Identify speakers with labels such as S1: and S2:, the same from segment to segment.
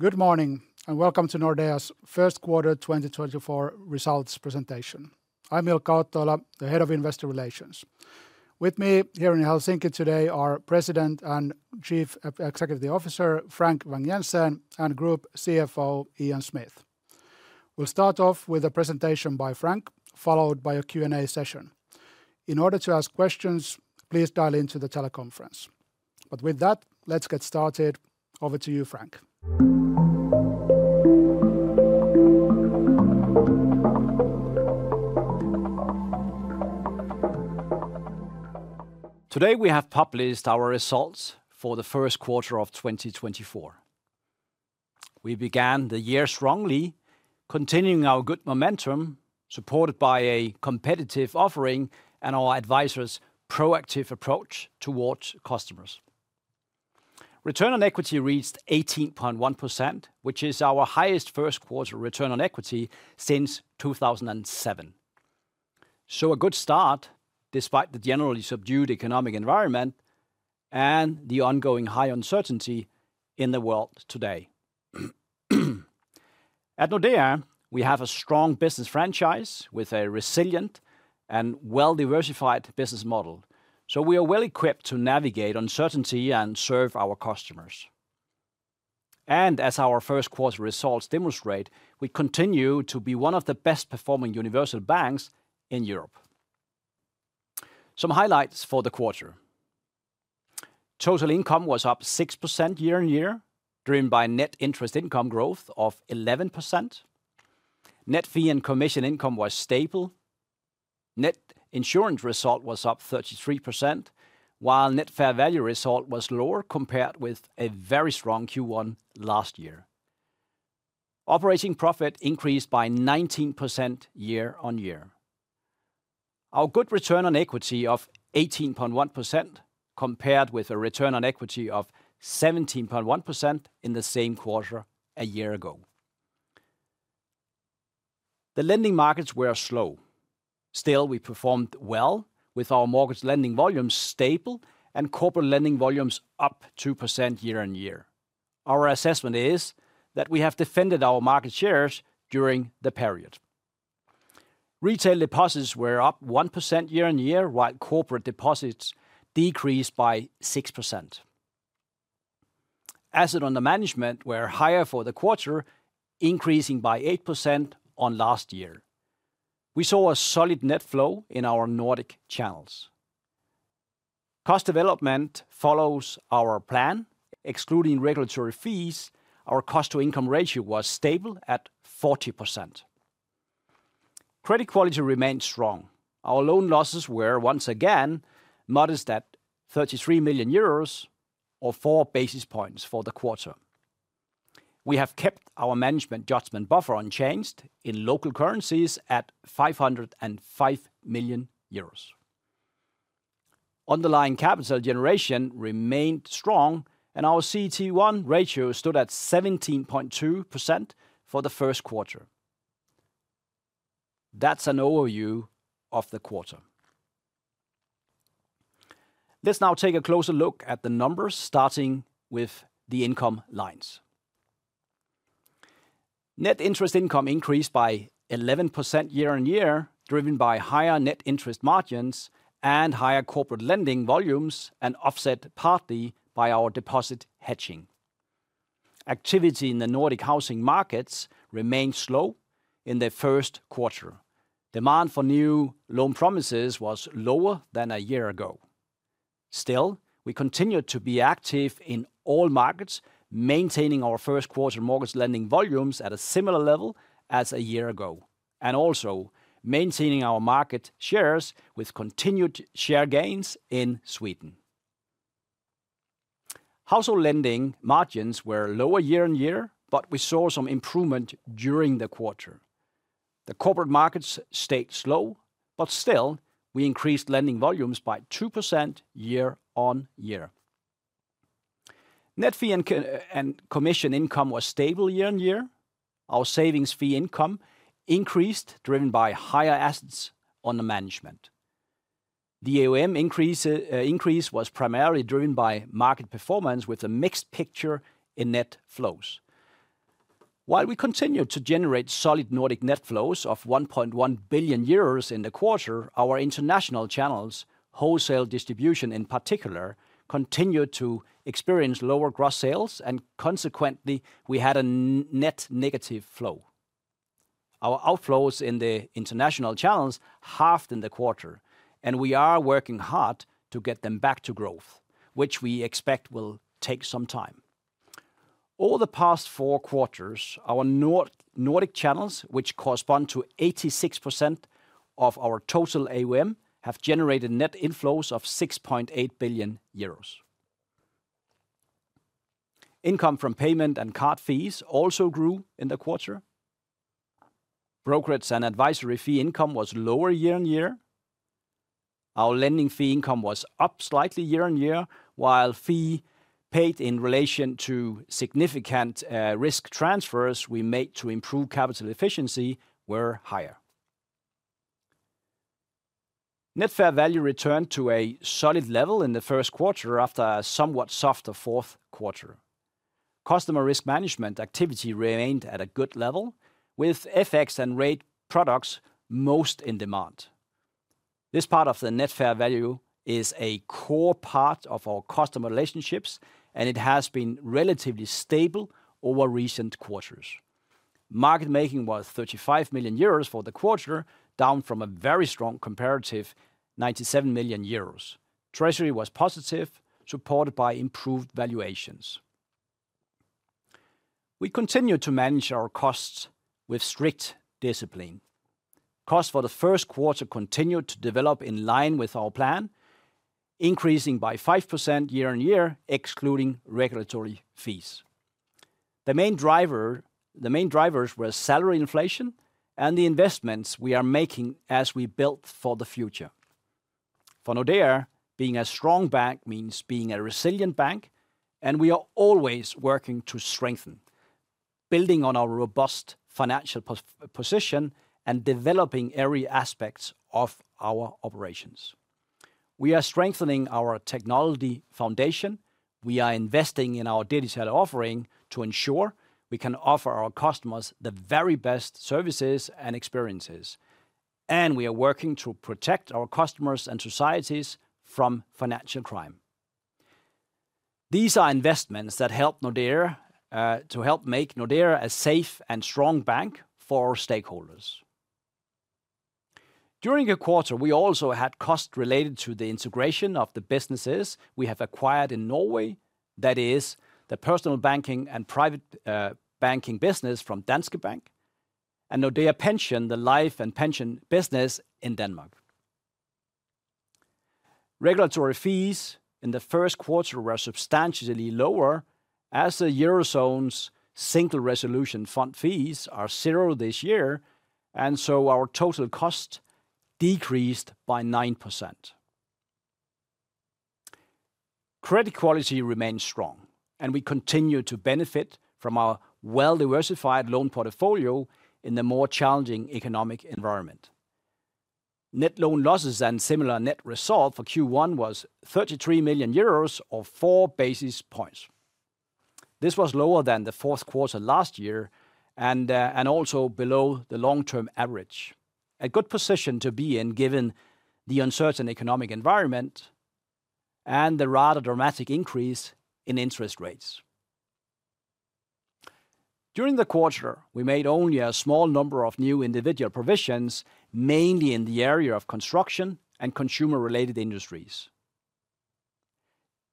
S1: Good morning, and welcome to Nordea's First Quarter 2024 Results Presentation. I'm Ilkka Aittola, the Head of Investor Relations. With me here in Helsinki today are President and Chief Executive Officer, Frank Vang-Jensen, and Group CFO, Ian Smith. We'll start off with a presentation by Frank, followed by a Q&A session. In order to ask questions, please dial into the teleconference. But with that, let's get started. Over to you, Frank.
S2: Today, we have published our results for the first quarter of 2024. We began the year strongly, continuing our good momentum, supported by a competitive offering and our advisors' proactive approach towards customers. Return on equity reached 18.1%, which is our highest first quarter return on equity since 2007. So a good start, despite the generally subdued economic environment and the ongoing high uncertainty in the world today. At Nordea, we have a strong business franchise with a resilient and well-diversified business model, so we are well equipped to navigate uncertainty and serve our customers. And as our first quarter results demonstrate, we continue to be one of the best performing universal banks in Europe. Some highlights for the quarter. Total income was up 6% year-on-year, driven by net interest income growth of 11%. Net fee and commission income was stable. Net insurance result was up 33%, while net fair value result was lower compared with a very strong Q1 last year. Operating profit increased by 19% year-over-year. Our good return on equity of 18.1% compared with a return on equity of 17.1% in the same quarter a year ago. The lending markets were slow. Still, we performed well with our mortgage lending volumes stable and corporate lending volumes up 2% year-over-year. Our assessment is that we have defended our market shares during the period. Retail deposits were up 1% year-over-year, while corporate deposits decreased by 6%. Assets under management were higher for the quarter, increasing by 8% on last year. We saw a solid net flow in our Nordic channels. Cost development follows our plan. Excluding regulatory fees, our cost-to-income ratio was stable at 40%. Credit quality remains strong. Our loan losses were once again modest at 33 million euros or 4 basis points for the quarter. We have kept our management judgement buffer unchanged in local currencies at 505 million euros. Underlying capital generation remained strong, and our CET1 ratio stood at 17.2% for the first quarter. That's an overview of the quarter. Let's now take a closer look at the numbers, starting with the income lines. Net interest income increased by 11% year-on-year, driven by higher net interest margins and higher corporate lending volumes, and offset partly by our deposit hedging. Activity in the Nordic housing markets remained slow in the first quarter. Demand for new loan promises was lower than a year ago. Still, we continued to be active in all markets, maintaining our first quarter mortgage lending volumes at a similar level as a year ago, and also maintaining our market shares with continued share gains in Sweden. Household lending margins were lower year-on-year, but we saw some improvement during the quarter. The corporate markets stayed slow, but still, we increased lending volumes by 2% year-on-year. Net fee and commission income was stable year-on-year. Our savings fee income increased, driven by higher assets under management. The AUM increase, increase was primarily driven by market performance with a mixed picture in net flows. While we continued to generate solid Nordic net flows of 1.1 billion euros in the quarter, our international channels, wholesale distribution in particular, continued to experience lower gross sales, and consequently, we had a net negative flow. Our outflows in the international channels halved in the quarter, and we are working hard to get them back to growth, which we expect will take some time. Over the past four quarters, our Nordic channels, which correspond to 86% of our total AUM, have generated net inflows of 6.8 billion euros. Income from payment and card fees also grew in the quarter. Brokerage and advisory fee income was lower year-on-year. Our lending fee income was up slightly year-on-year, while fee paid in relation to significant risk transfers we made to improve capital efficiency were higher. Net fair value returned to a solid level in the first quarter after a somewhat softer fourth quarter. Customer risk management activity remained at a good level, with FX and rate products most in demand. This part of the net fair value is a core part of our customer relationships, and it has been relatively stable over recent quarters. Market making was 35 million euros for the quarter, down from a very strong comparative, 97 million euros. Treasury was positive, supported by improved valuations. We continue to manage our costs with strict discipline. Costs for the first quarter continued to develop in line with our plan, increasing by 5% year-on-year, excluding regulatory fees. The main drivers were salary inflation and the investments we are making as we build for the future. For Nordea, being a strong bank means being a resilient bank, and we are always working to strengthen, building on our robust financial position and developing every aspect of our operations. We are strengthening our technology foundation. We are investing in our digital offering to ensure we can offer our customers the very best services and experiences, and we are working to protect our customers and societies from financial crime. These are investments that help Nordea to help make Nordea a safe and strong bank for our stakeholders. During the quarter, we also had costs related to the integration of the businesses we have acquired in Norway. That is, the Personal Banking and Private Banking business from Danske Bank and Nordea Pension, the Life and Pension business in Denmark. Regulatory fees in the first quarter were substantially lower as the Eurozone's Single Resolution Fund fees are zero this year, and so our total cost decreased by 9%. Credit quality remains strong, and we continue to benefit from our well-diversified loan portfolio in the more challenging economic environment. Net loan losses and similar net result for Q1 was 33 million euros or 4 basis points. This was lower than the fourth quarter last year and also below the long-term average. A good position to be in, given the uncertain economic environment and the rather dramatic increase in interest rates. During the quarter, we made only a small number of new individual provisions, mainly in the area of construction and consumer-related industries.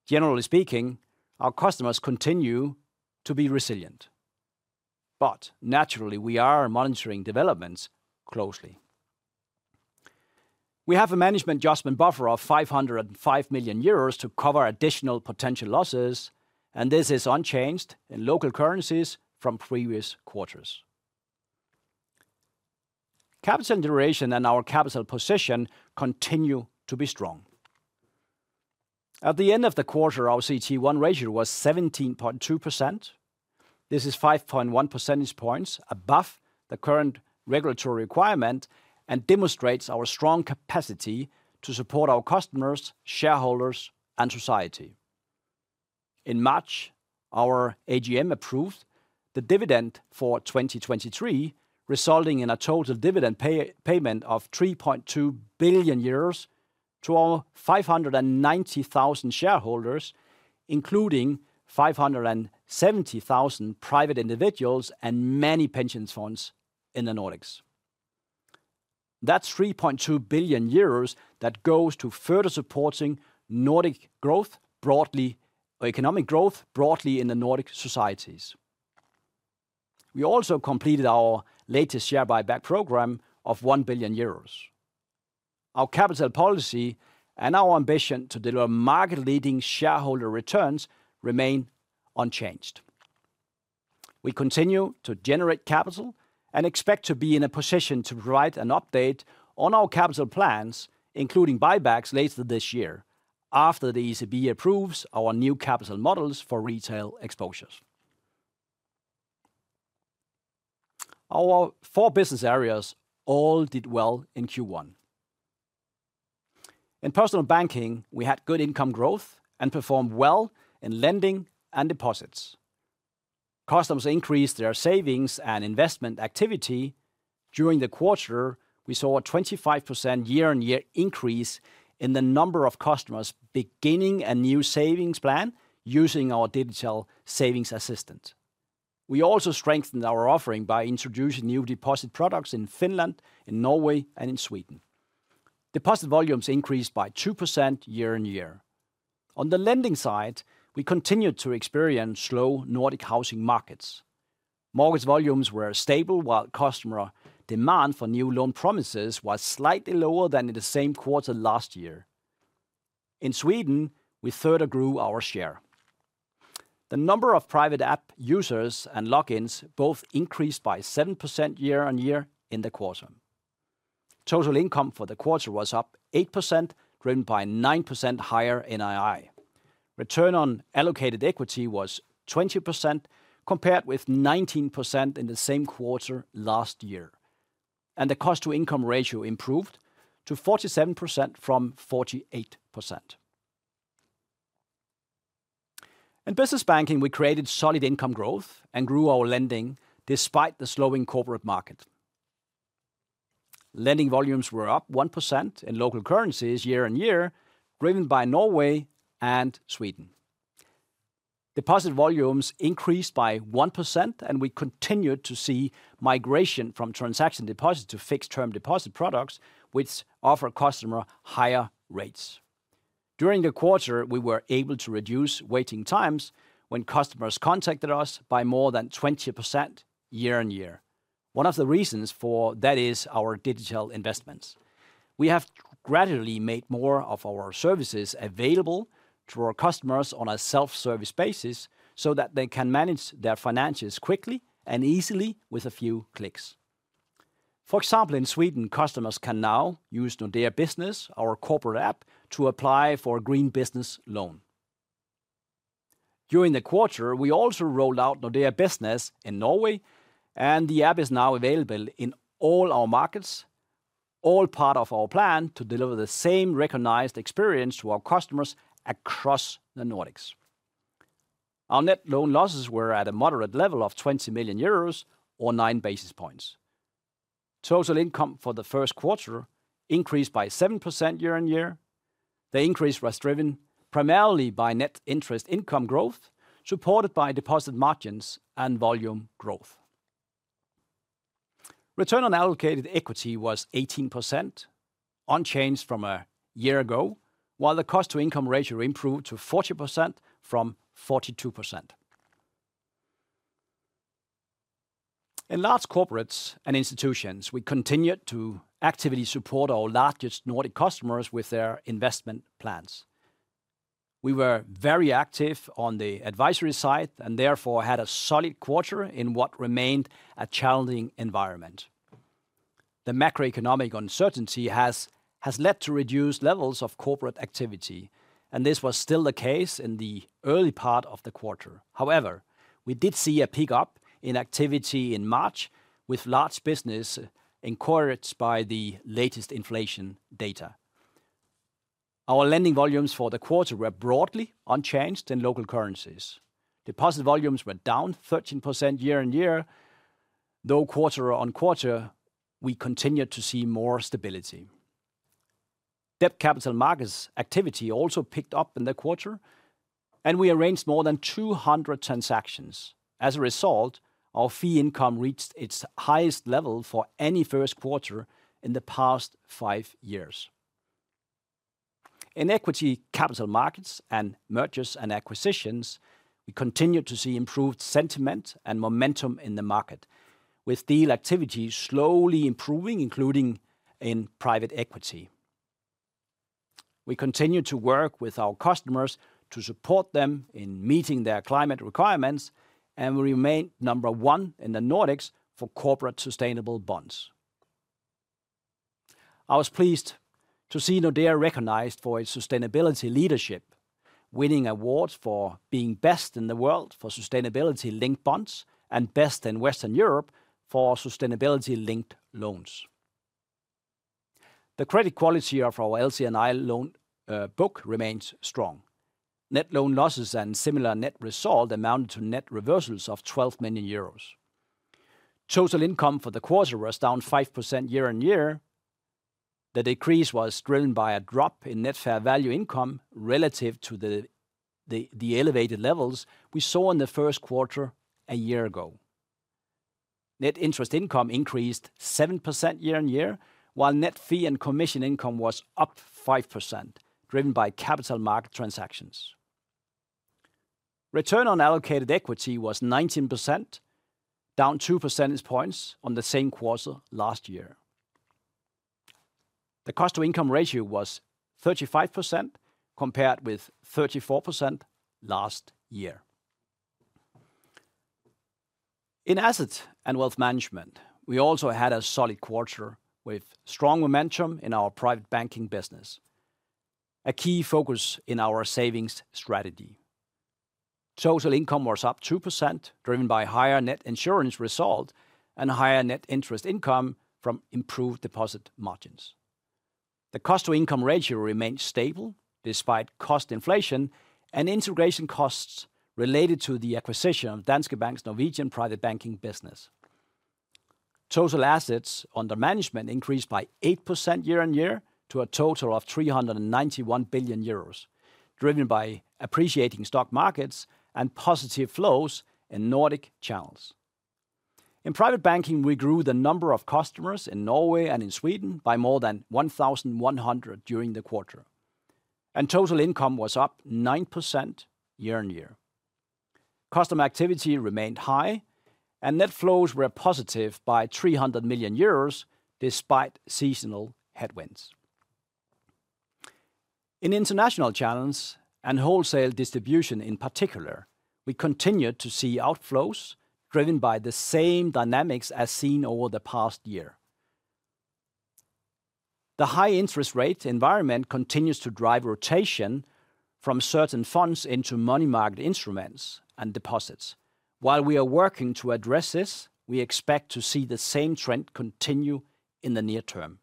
S2: Generally speaking, our customers continue to be resilient, but naturally, we are monitoring developments closely. We have a management judgement buffer of 505 million euros to cover additional potential losses, and this is unchanged in local currencies from previous quarters. Capital generation and our capital position continue to be strong. At the end of the quarter, our CET1 ratio was 17.2%. This is 5.1% points above the current regulatory requirement and demonstrates our strong capacity to support our customers, shareholders, and society. In March, our AGM approved the dividend for 2023, resulting in a total dividend payment of 3.2 billion euros to our 590,000 shareholders, including 570,000 private individuals and many pension funds in the Nordics. That's 3.2 billion euros that goes to further supporting Nordic growth broadly, or economic growth broadly in the Nordic societies. We also completed our latest share buyback program of 1 billion euros. Our capital policy and our ambition to deliver market-leading shareholder returns remain unchanged. We continue to generate capital and expect to be in a position to provide an update on our capital plans, including buybacks, later this year, after the ECB approves our new capital models for retail exposures. Our four business areas all did well in Q1. In Personal Banking, we had good income growth and performed well in lending and deposits. Customers increased their savings and investment activity. During the quarter, we saw a 25% year-on-year increase in the number of customers beginning a new savings plan using our digital savings assistant. We also strengthened our offering by introducing new deposit products in Finland, in Norway, and in Sweden. Deposit volumes increased by 2% year-on-year. On the lending side, we continued to experience slow Nordic housing markets. Mortgage volumes were stable, while customer demand for new loan promises was slightly lower than in the same quarter last year. In Sweden, we further grew our share. The number of private app users and logins both increased by 7% year-on-year in the quarter. Total income for the quarter was up 8%, driven by 9% higher NII. Return on allocated equity was 20%, compared with 19% in the same quarter last year, and the cost-to-income ratio improved to 47% from 48%. In Business Banking, we created solid income growth and grew our lending despite the slowing corporate market. Lending volumes were up 1% in local currencies year-on-year, driven by Norway and Sweden. Deposit volumes increased by 1%, and we continued to see migration from transaction deposits to fixed-term deposit products, which offer customers higher rates. During the quarter, we were able to reduce waiting times when customers contacted us by more than 20% year-on-year. One of the reasons for that is our digital investments. We have gradually made more of our services available to our customers on a self-service basis, so that they can manage their finances quickly and easily with a few clicks. For example, in Sweden, customers can now use Nordea Business, our corporate app, to apply for a green business loan. During the quarter, we also rolled out Nordea Business in Norway, and the app is now available in all our markets, all part of our plan to deliver the same recognized experience to our customers across the Nordics. Our net loan losses were at a moderate level of 20 million euros or 9 basis points. Total income for the first quarter increased by 7% year-over-year. The increase was driven primarily by net interest income growth, supported by deposit margins and volume growth. Return on allocated equity was 18%, unchanged from a year ago, while the cost-to-income ratio improved to 40% from 42%. In Large Corporates and Institutions, we continued to actively support our largest Nordic customers with their investment plans. We were very active on the advisory side and therefore had a solid quarter in what remained a challenging environment. The macroeconomic uncertainty has led to reduced levels of corporate activity, and this was still the case in the early part of the quarter. However, we did see a pickup in activity in March, with large business encouraged by the latest inflation data. Our lending volumes for the quarter were broadly unchanged in local currencies. Deposit volumes were down 13% year-on-year, though quarter-on-quarter, we continued to see more stability. Debt capital markets activity also picked up in the quarter, and we arranged more than 200 transactions. As a result, our fee income reached its highest level for any first quarter in the past five years. In equity capital markets and mergers and acquisitions, we continued to see improved sentiment and momentum in the market, with deal activity slowly improving, including in private equity. We continued to work with our customers to support them in meeting their climate requirements and remain number one in the Nordics for corporate sustainable bonds. I was pleased to see Nordea recognized for its sustainability leadership, winning awards for being best in the world for sustainability linked bonds and best in Western Europe for sustainability linked loans. The credit quality of our LC&I loan book remains strong. Net loan losses and similar net result amounted to net reversals of 12 million euros. Total income for the quarter was down 5% year-on-year. The decrease was driven by a drop in net fair value income relative to the elevated levels we saw in the first quarter a year ago. Net interest income increased 7% year-on-year, while net fee and commission income was up 5%, driven by capital market transactions. Return on allocated equity was 19%, down 2% points on the same quarter last year. The cost-to-income ratio was 35%, compared with 34% last year. In Asset and Wealth Management, we also had a solid quarter with strong momentum in our Private Banking business, a key focus in our savings strategy. Total income was up 2%, driven by higher net insurance result and higher net interest income from improved deposit margins. The cost-to-income ratio remained stable despite cost inflation and integration costs related to the acquisition of Danske Bank's Norwegian Private Banking business. Total assets under management increased by 8% year-on-year to a total of 391 billion euros, driven by appreciating stock markets and positive flows in Nordic channels. In Private Banking, we grew the number of customers in Norway and in Sweden by more than 1,100 during the quarter, and total income was up 9% year-on-year. Customer activity remained high, and net flows were positive by 300 million euros despite seasonal headwinds. In international channels and wholesale distribution in particular, we continued to see outflows driven by the same dynamics as seen over the past year. The high interest rate environment continues to drive rotation from certain funds into money market instruments and deposits. While we are working to address this, we expect to see the same trend continue in the near term.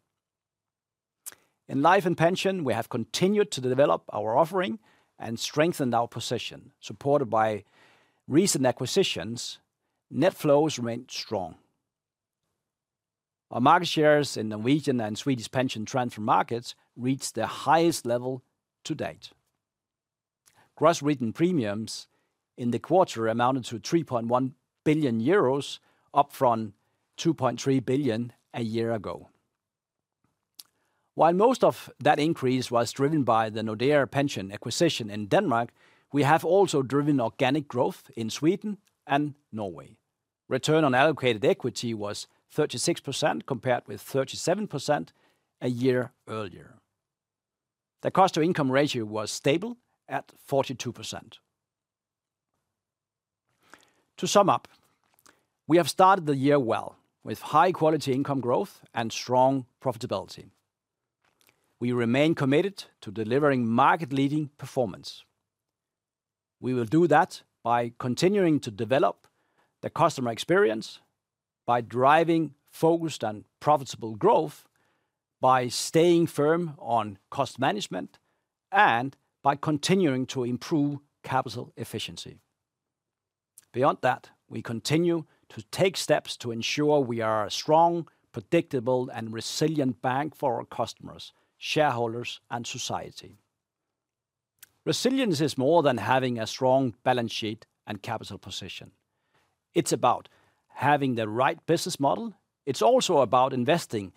S2: In Life and Pension, we have continued to develop our offering and strengthened our position, supported by recent acquisitions. Net flows remained strong. Our market shares in Norwegian and Swedish pension transfer markets reached their highest level to date. Gross written premiums in the quarter amounted to 3.1 billion euros, up from 2.3 billion a year ago. While most of that increase was driven by the Nordea Pension acquisition in Denmark, we have also driven organic growth in Sweden and Norway. Return on allocated equity was 36%, compared with 37% a year earlier. The cost to income ratio was stable at 42%. To sum up, we have started the year well, with high quality income growth and strong profitability. We remain committed to delivering market-leading performance. We will do that by continuing to develop the customer experience, by driving focused and profitable growth, by staying firm on cost management, and by continuing to improve capital efficiency. Beyond that, we continue to take steps to ensure we are a strong, predictable, and resilient bank for our customers, shareholders, and society. Resilience is more than having a strong balance sheet and capital position. It's about having the right business model. It's also about investing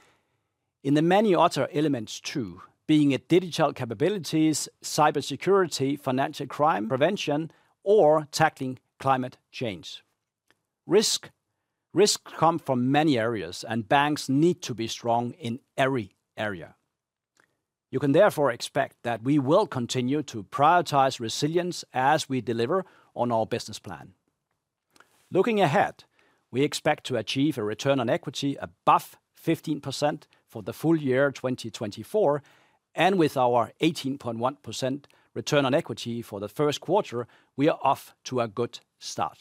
S2: in the many other elements, too, be it digital capabilities, cybersecurity, financial crime prevention, or tackling climate change. Risk, risks come from many areas, and banks need to be strong in every area. You can therefore expect that we will continue to prioritize resilience as we deliver on our business plan. Looking ahead, we expect to achieve a return on equity above 15% for the full year 2024, and with our 18.1% return on equity for the first quarter, we are off to a good start.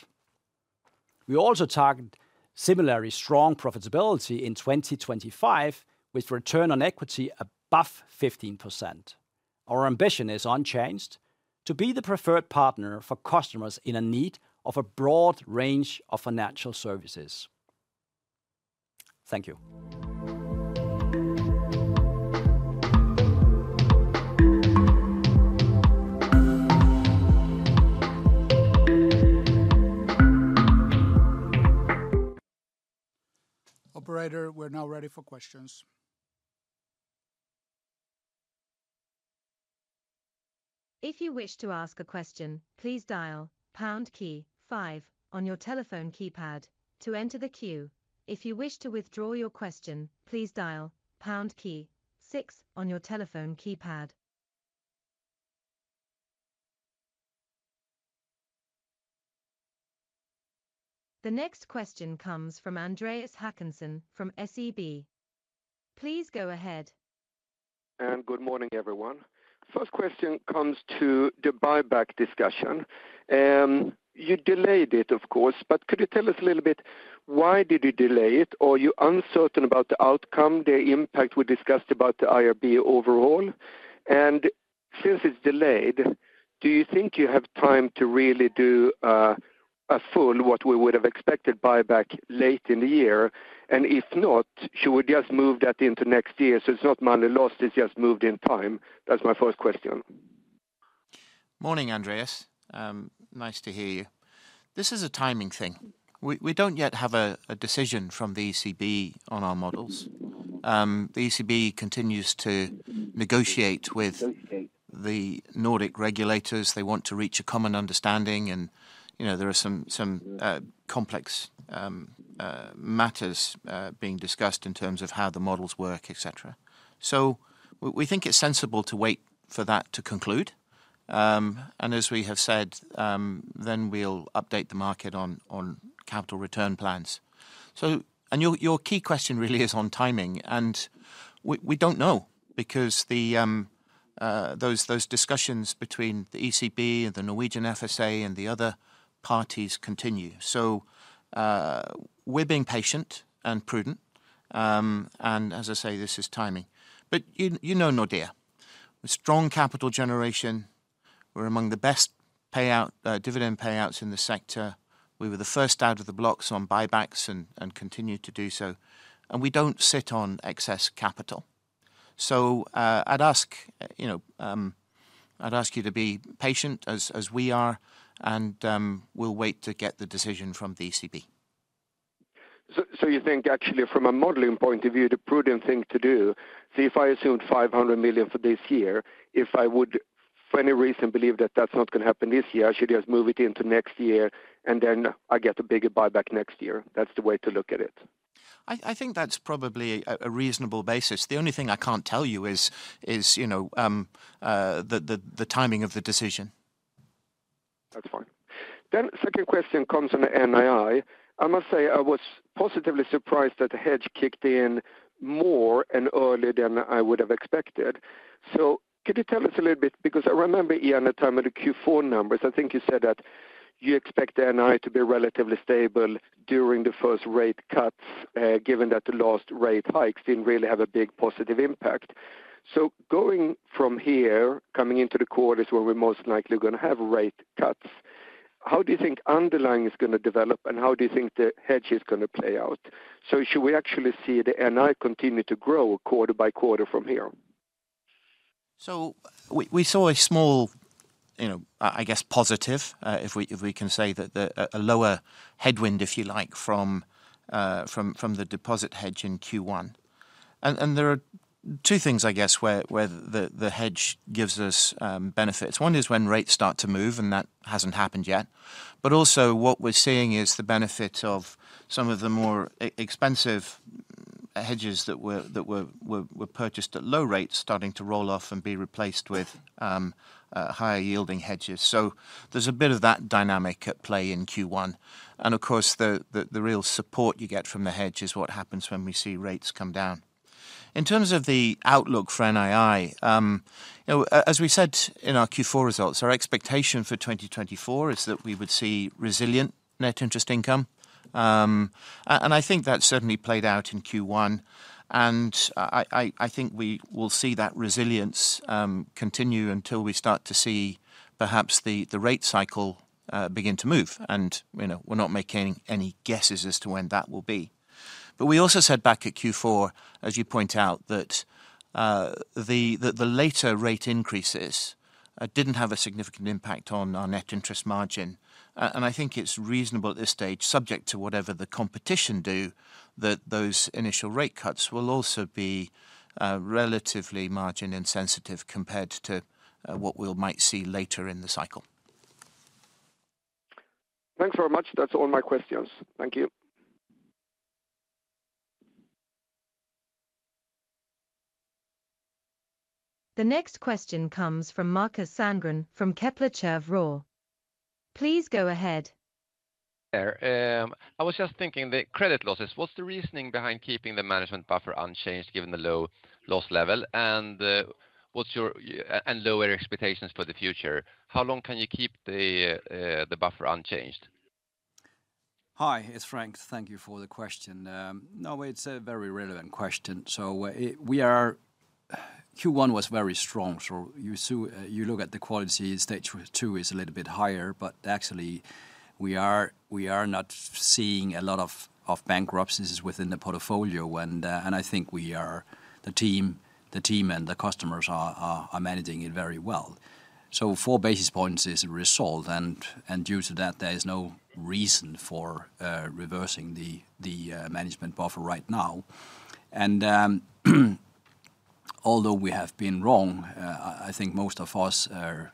S2: We also target similarly strong profitability in 2025, with return on equity above 15%.Our ambition is unchanged: to be the preferred partner for customers in need of a broad range of financial services. Thank you.
S1: Operator, we're now ready for questions.
S3: If you wish to ask a question, please dial pound key five on your telephone keypad to enter the queue. If you wish to withdraw your question, please dial pound key six on your telephone keypad. The next question comes from Andreas Håkansson from SEB. Please go ahead.
S4: Good morning, everyone. First question comes to the buyback discussion. You delayed it, of course, but could you tell us a little bit, why did you delay it, or are you uncertain about the outcome, the impact we discussed about the IRB overall? And since it's delayed, do you think you have time to really do a full, what we would have expected buyback late in the year? And if not, should we just move that into next year, so it's not money lost, it's just moved in time? That's my first question.
S5: Morning, Andreas. Nice to hear you. This is a timing thing. We don't yet have a decision from the ECB on our models. The ECB continues to negotiate with the Nordic regulators. They want to reach a common understanding, and, you know, there are some complex matters being discussed in terms of how the models work, et cetera. So we think it's sensible to wait for that to conclude. And as we have said, then we'll update the market on capital return plans. So and your key question really is on timing, and we don't know because the those discussions between the ECB and the Norwegian FSA and the other parties continue. So, we're being patient and prudent. And as I say, this is timing. But you know Nordea, a strong capital generation. We're among the best payout, dividend payouts in the sector. We were the first out of the blocks on buybacks and continue to do so, and we don't sit on excess capital. So, I'd ask, you know, you to be patient as we are, and we'll wait to get the decision from the ECB.
S4: You think actually from a modeling point of view, the prudent thing to do, say, if I assumed 500 million for this year, if I would, for any reason, believe that that's not going to happen this year, I should just move it into next year, and then I get a bigger buyback next year. That's the way to look at it.
S5: I think that's probably a reasonable basis. The only thing I can't tell you is, you know, the timing of the decision.
S4: That's fine. Then second question comes from NII. I must say I was positively surprised that the hedge kicked in more and earlier than I would have expected. So could you tell us a little bit? Because I remember, Ian, at the time of the Q4 numbers, I think you said that you expect NII to be relatively stable during the first rate cuts, given that the last rate hikes didn't really have a big positive impact. So going from here, coming into the quarters where we're most likely gonna have rate cuts, how do you think underlying is gonna develop, and how do you think the hedge is gonna play out? So should we actually see the NII continue to grow quarter by quarter from here?
S5: So we saw a small, you know, I guess, positive, if we can say that a lower headwind, if you like, from the deposit hedge in Q1. And there are two things I guess, where the hedge gives us benefits. One is when rates start to move, and that hasn't happened yet. But also what we're seeing is the benefit of some of the more expensive hedges that were purchased at low rates, starting to roll off and be replaced with higher yielding hedges. So there's a bit of that dynamic at play in Q1. And of course, the real support you get from the hedge is what happens when we see rates come down. In terms of the outlook for NII, you know, as we said in our Q4 results, our expectation for 2024 is that we would see resilient net interest income. And I think that certainly played out in Q1, and I think we will see that resilience continue until we start to see perhaps the rate cycle begin to move. And, you know, we're not making any guesses as to when that will be. But we also said back at Q4, as you point out, that the later rate increases didn't have a significant impact on our net interest margin. And I think it's reasonable at this stage, subject to whatever the competition do, that those initial rate cuts will also be relatively margin insensitive compared to what we might see later in the cycle.
S4: Thanks very much. That's all my questions. Thank you.
S3: The next question comes from Markus Sandgren from Kepler Cheuvreux. Please go ahead.
S6: I was just thinking, the credit losses, what's the reasoning behind keeping the management buffer unchanged, given the low loss level and lower expectations for the future? How long can you keep the buffer unchanged?
S2: Hi, it's Frank. Thank you for the question. No, it's a very relevant question. So, Q1 was very strong. So you see. You look at the quality, Stage 2 is a little bit higher, but actually, we are not seeing a lot of bankruptcies within the portfolio. And I think the team and the customers are managing it very well. So four basis points is resolved, and due to that, there is no reason for reversing the management buffer right now. And although we have been wrong, I think most of us are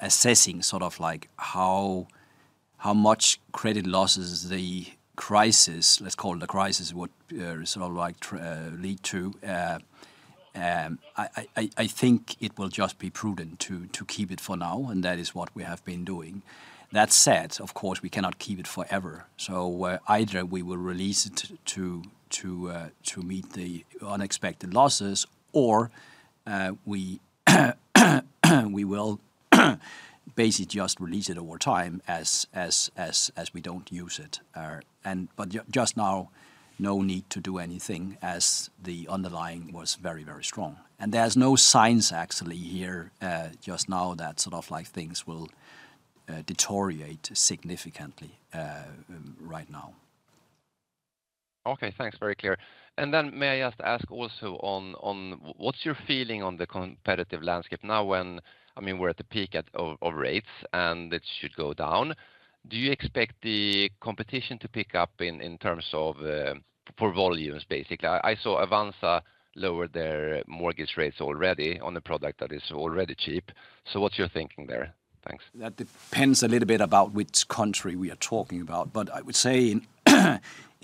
S2: assessing sort of like how much credit losses the crisis, let's call it the crisis, would sort of like lead to. I think it will just be prudent to keep it for now, and that is what we have been doing. That said, of course, we cannot keep it forever. So, either we will release it to meet the unexpected losses, or, we will basically just release it over time as we don't use it. Just now, no need to do anything, as the underlying was very, very strong. And there's no signs actually here, just now that sort of like things will deteriorate significantly, right now.
S6: Okay, thanks. Very clear. And then may I just ask also on what's your feeling on the competitive landscape now, when I mean, we're at the peak of rates, and it should go down? Do you expect the competition to pick up in terms of loan volumes, basically? I saw Avanza lower their mortgage rates already on a product that is already cheap. So what's your thinking there? Thanks.
S2: That depends a little bit about which country we are talking about, but I would say,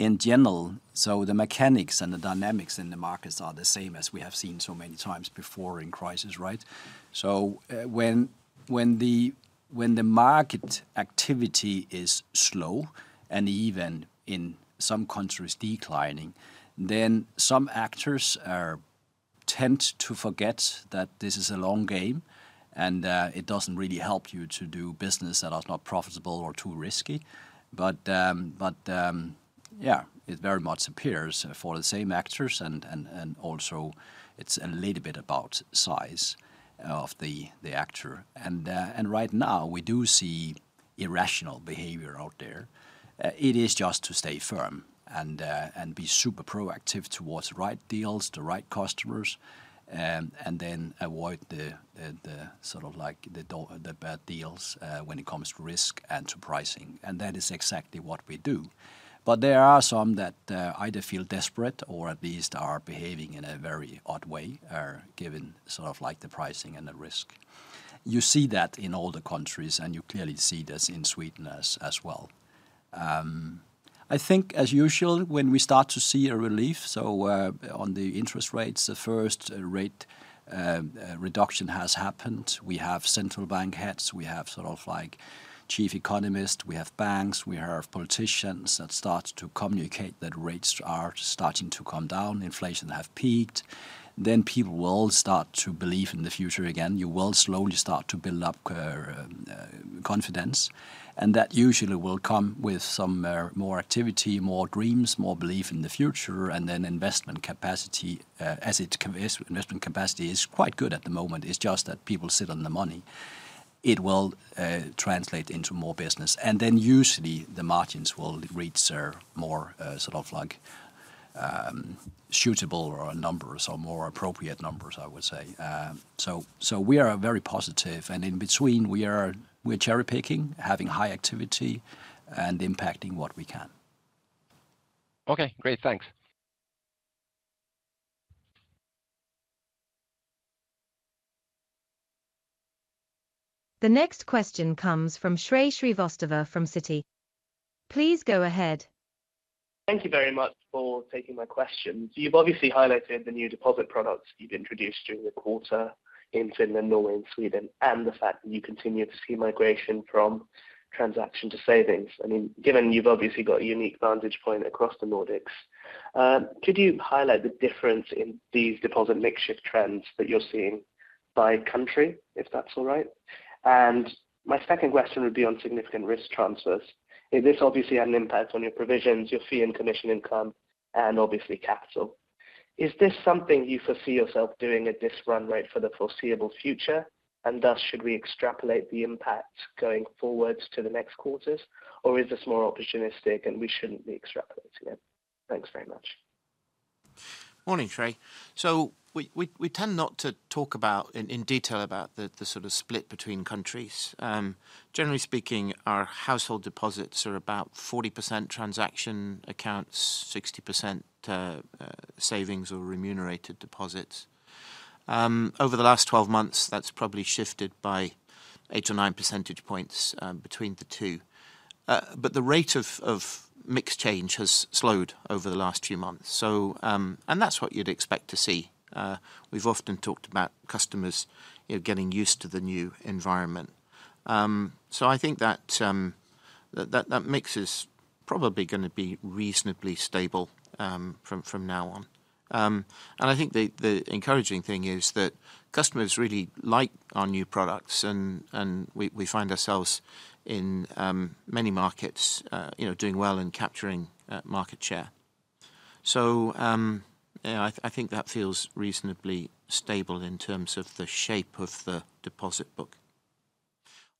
S2: in general, so the mechanics and the dynamics in the markets are the same as we have seen so many times before in crisis, right? So, when the market activity is slow, and even in some countries declining, then some actors tend to forget that this is a long game, and it doesn't really help you to do business that is not profitable or too risky. But, yeah, it very much appears for the same actors, and also it's a little bit about size of the actor. And right now, we do see irrational behavior out there. It is just to stay firm and be super proactive towards the right deals, the right customers, and then avoid the sort of like the bad deals, when it comes to risk and to pricing, and that is exactly what we do. But there are some that either feel desperate or at least are behaving in a very odd way, given sort of like the pricing and the risk. You see that in all the countries, and you clearly see this in Sweden as well.
S5: I think as usual, when we start to see a relief, so, on the interest rates, the first rate, reduction has happened. We have central bank heads, we have sort of like chief economist, we have banks, we have politicians that start to communicate that rates are starting to come down, inflation have peaked. Then people will start to believe in the future again. You will slowly start to build up, confidence, and that usually will come with some, more activity, more dreams, more belief in the future, and then investment capacity, as it conveys. Investment capacity is quite good at the moment. It's just that people sit on the money. It will translate into more business, and then usually the margins will reach or more, sort of like, suitable or numbers or more appropriate numbers, I would say. So we are very positive, and in between, we are cherry-picking, having high activity, and impacting what we can.
S7: Okay, great. Thanks.
S3: The next question comes from Shrey Srivastava from Citi. Please go ahead.
S8: Thank you very much for taking my question. You've obviously highlighted the new deposit products you've introduced during the quarter in Finland, Norway, and Sweden, and the fact that you continue to see migration from transaction to savings. I mean, given you've obviously got a unique vantage point across the Nordics, could you highlight the difference in these deposit mix shift trends that you're seeing by country, if that's all right? And my second question would be on significant risk transfers. If this obviously had an impact on your provisions, your fee and commission income, and obviously capital, is this something you foresee yourself doing at this run rate for the foreseeable future? And thus, should we extrapolate the impact going forwards to the next quarters, or is this more opportunistic, and we shouldn't be extrapolating it? Thanks very much.
S5: Morning, Shrey. So we tend not to talk about in detail about the sort of split between countries. Generally speaking, our household deposits are about 40% transaction accounts, 60% savings or remunerated deposits. Over the last 12 months, that's probably shifted by 8% or 9% points between the two. But the rate of mix change has slowed over the last few months, so. And that's what you'd expect to see. We've often talked about customers, you know, getting used to the new environment. So I think that that mix is probably gonna be reasonably stable from now on. And I think the encouraging thing is that customers really like our new products, and we find ourselves in many markets, you know, doing well and capturing market share. So, yeah, I think that feels reasonably stable in terms of the shape of the deposit book.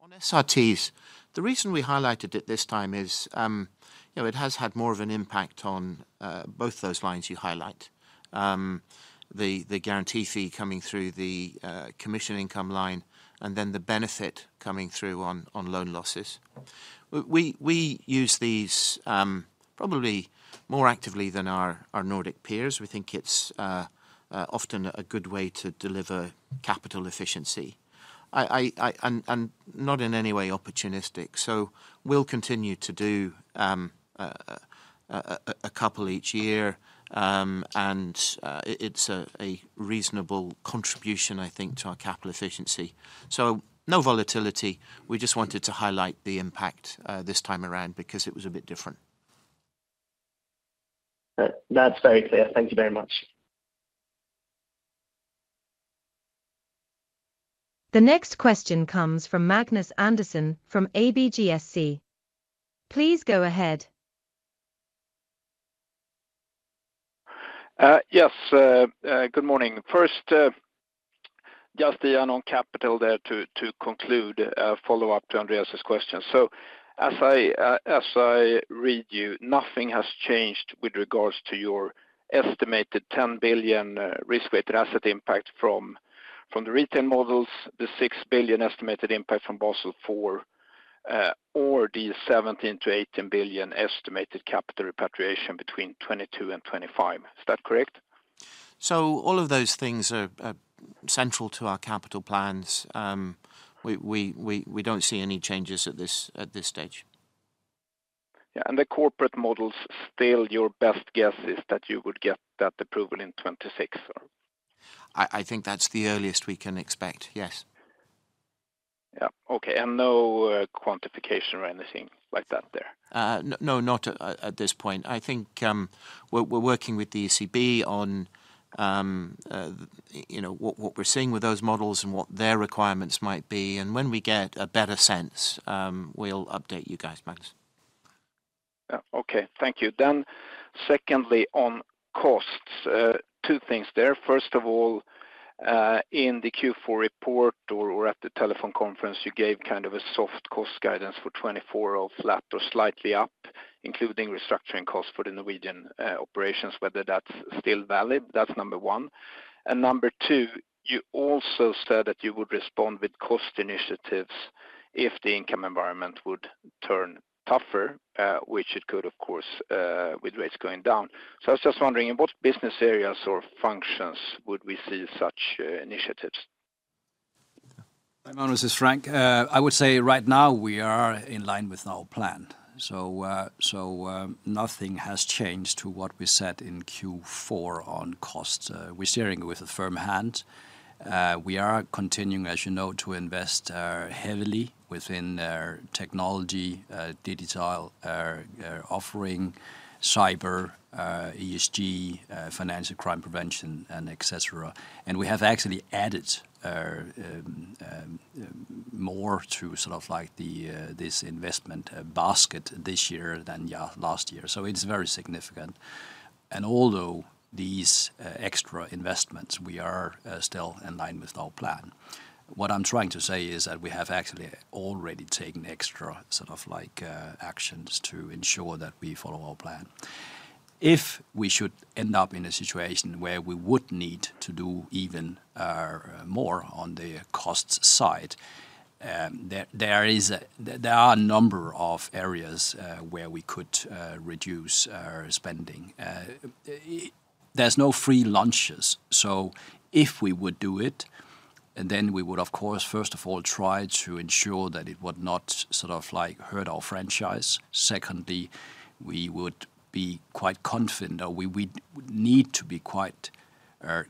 S5: On SRTs, the reason we highlighted it this time is, you know, it has had more of an impact on both those lines you highlight. The guarantee fee coming through the commission income line, and then the benefit coming through on loan losses. We use these probably more actively than our Nordic peers. We think it's often a good way to deliver capital efficiency. And not in any way opportunistic, so we'll continue to do a couple each year. And it's a reasonable contribution, I think, to our capital efficiency. So no volatility. We just wanted to highlight the impact this time around because it was a bit different.
S8: That's very clear. Thank you very much.
S3: The next question comes from Magnus Andersson from ABGSC. Please go ahead.
S9: Yes. Good morning. First, just the unallocated capital there to conclude follow-up to Andreas' question. So as I read you, nothing has changed with regards to your estimated 10 billion risk-weighted asset impact from the retail models, the 6 billion estimated impact from Basel IV, or the 17 billion to 18 billion estimated capital repatriation between 2022 and 2025. Is that correct?
S5: All of those things are central to our capital plans. We don't see any changes at this stage.
S9: Yeah, and the corporate models, still your best guess is that you would get that approval in 2026, or?
S5: I think that's the earliest we can expect. Yes.
S9: Yeah. Okay, and no, quantification or anything like that there?
S5: No, not at this point. I think we're working with the ECB on, you know, what we're seeing with those models and what their requirements might be. And when we get a better sense, we'll update you guys, Magnus.
S9: Yeah. Okay, thank you. Then secondly, on costs, two things there. First of all, in the Q4 report or, or at the telephone conference, you gave kind of a soft cost guidance for 2024 or flat or slightly up, including restructuring costs for the Norwegian operations, whether that's still valid. That's number one. And number two, you also said that you would respond with cost initiatives if the income environment would turn tougher, which it could, of course, with rates going down. So I was just wondering, in what business areas or functions would we see such initiatives?
S2: Hi, my name is Frank. I would say right now we are in line with our plan. So, nothing has changed to what we said in Q4 on costs. We're steering with a firm hand. We are continuing, as you know, to invest heavily within our technology, digital offering, cyber, ESG, financial crime prevention, and et cetera. And we have actually added more to sort of like the this investment basket this year than last year. So it's very significant. And although these extra investments, we are still in line with our plan. What I'm trying to say is that we have actually already taken extra sort of like actions to ensure that we follow our plan. If we should end up in a situation where we would need to do even more on the costs side, there are a number of areas where we could reduce our spending. There's no free lunches, so if we would do it, then we would, of course, first of all, try to ensure that it would not sort of like hurt our franchise. Secondly, we would be quite confident, or we would need to be quite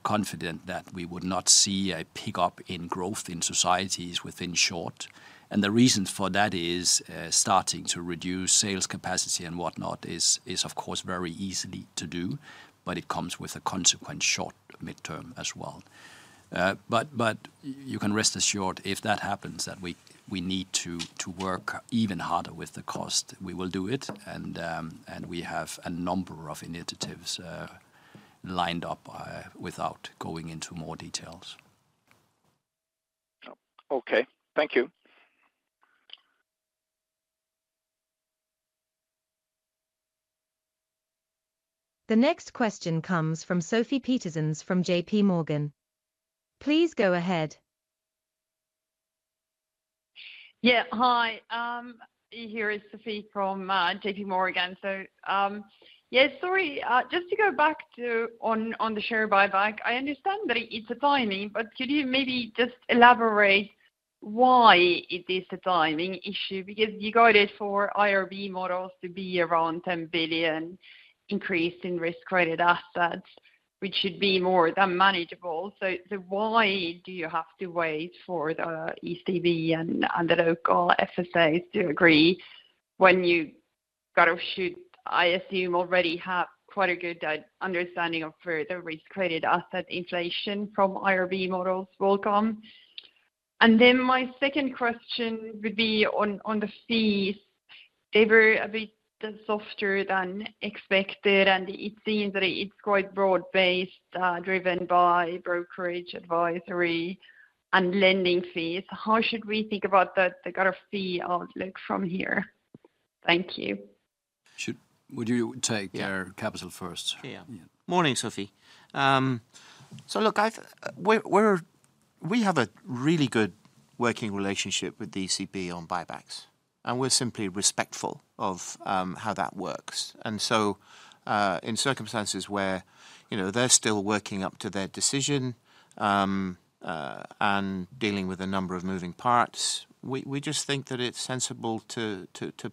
S2: confident that we would not see a pickup in growth in societies within short. And the reason for that is, starting to reduce sales capacity and whatnot is, of course, very easily to do, but it comes with a consequent short midterm as well. But you can rest assured, if that happens, that we need to work even harder with the cost. We will do it, and we have a number of initiatives lined up, without going into more details.
S5: Okay, thank you.
S3: The next question comes from Sofie Peterzens from J.P. Morgan. Please go ahead.
S7: Yeah, hi. Here is Sofie from J.P. Morgan. So, yes, sorry, just to go back to on the share buyback, I understand that it's a timing, but could you maybe just elaborate why it is a timing issue? Because you guided for IRB models to be around 10 billion increase in risk-weighted assets, which should be more than manageable. So why do you have to wait for the ECB and the local FSAs to agree when you kind of should, I assume, already have quite a good understanding of further risk-weighted asset inflation from IRB models welcome. And then my second question would be on the fees. They were a bit softer than expected, and it seems that it's quite broad-based driven by brokerage advisory and lending fees. How should we think about the kind of fee outlook from here? Thank you.
S2: Would you take our capital first?
S5: Morning, Sofie. So look, we have a really good working relationship with the ECB on buybacks, and we're simply respectful of how that works. So, in circumstances where, you know, they're still working up to their decision and dealing with a number of moving parts, we just think that it's sensible to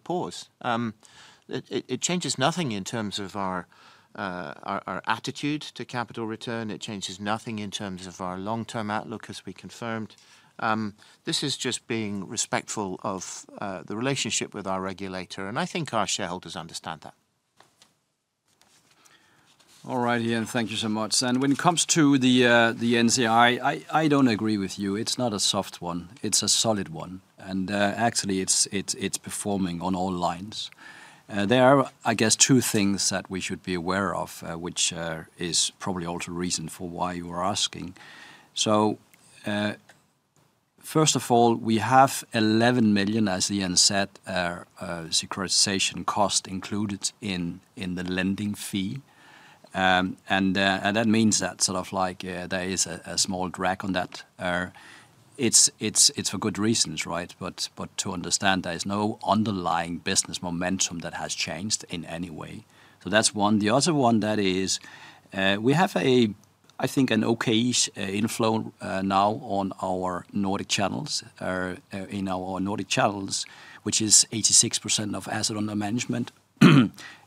S5: pause. It changes nothing in terms of our attitude to capital return. It changes nothing in terms of our long-term outlook, as we confirmed. This is just being respectful of the relationship with our regulator, and I think our shareholders understand that.
S2: All right, Ian, thank you so much. And when it comes to the NFCI, I don't agree with you. It's not a soft one; it's a solid one. And actually, it's performing on all lines. There are, I guess, two things that we should be aware of, which is probably also a reason for why you are asking. So first of all, we have 11 million, as Ian said, securitization cost included in the lending fee. And that means that sort of like there is a small drag on that. It's for good reasons, right? But to understand there is no underlying business momentum that has changed in any way. So that's one. The other one that is, we have a, I think, an okay-ish inflow now in our Nordic channels, which is 86% of assets under management.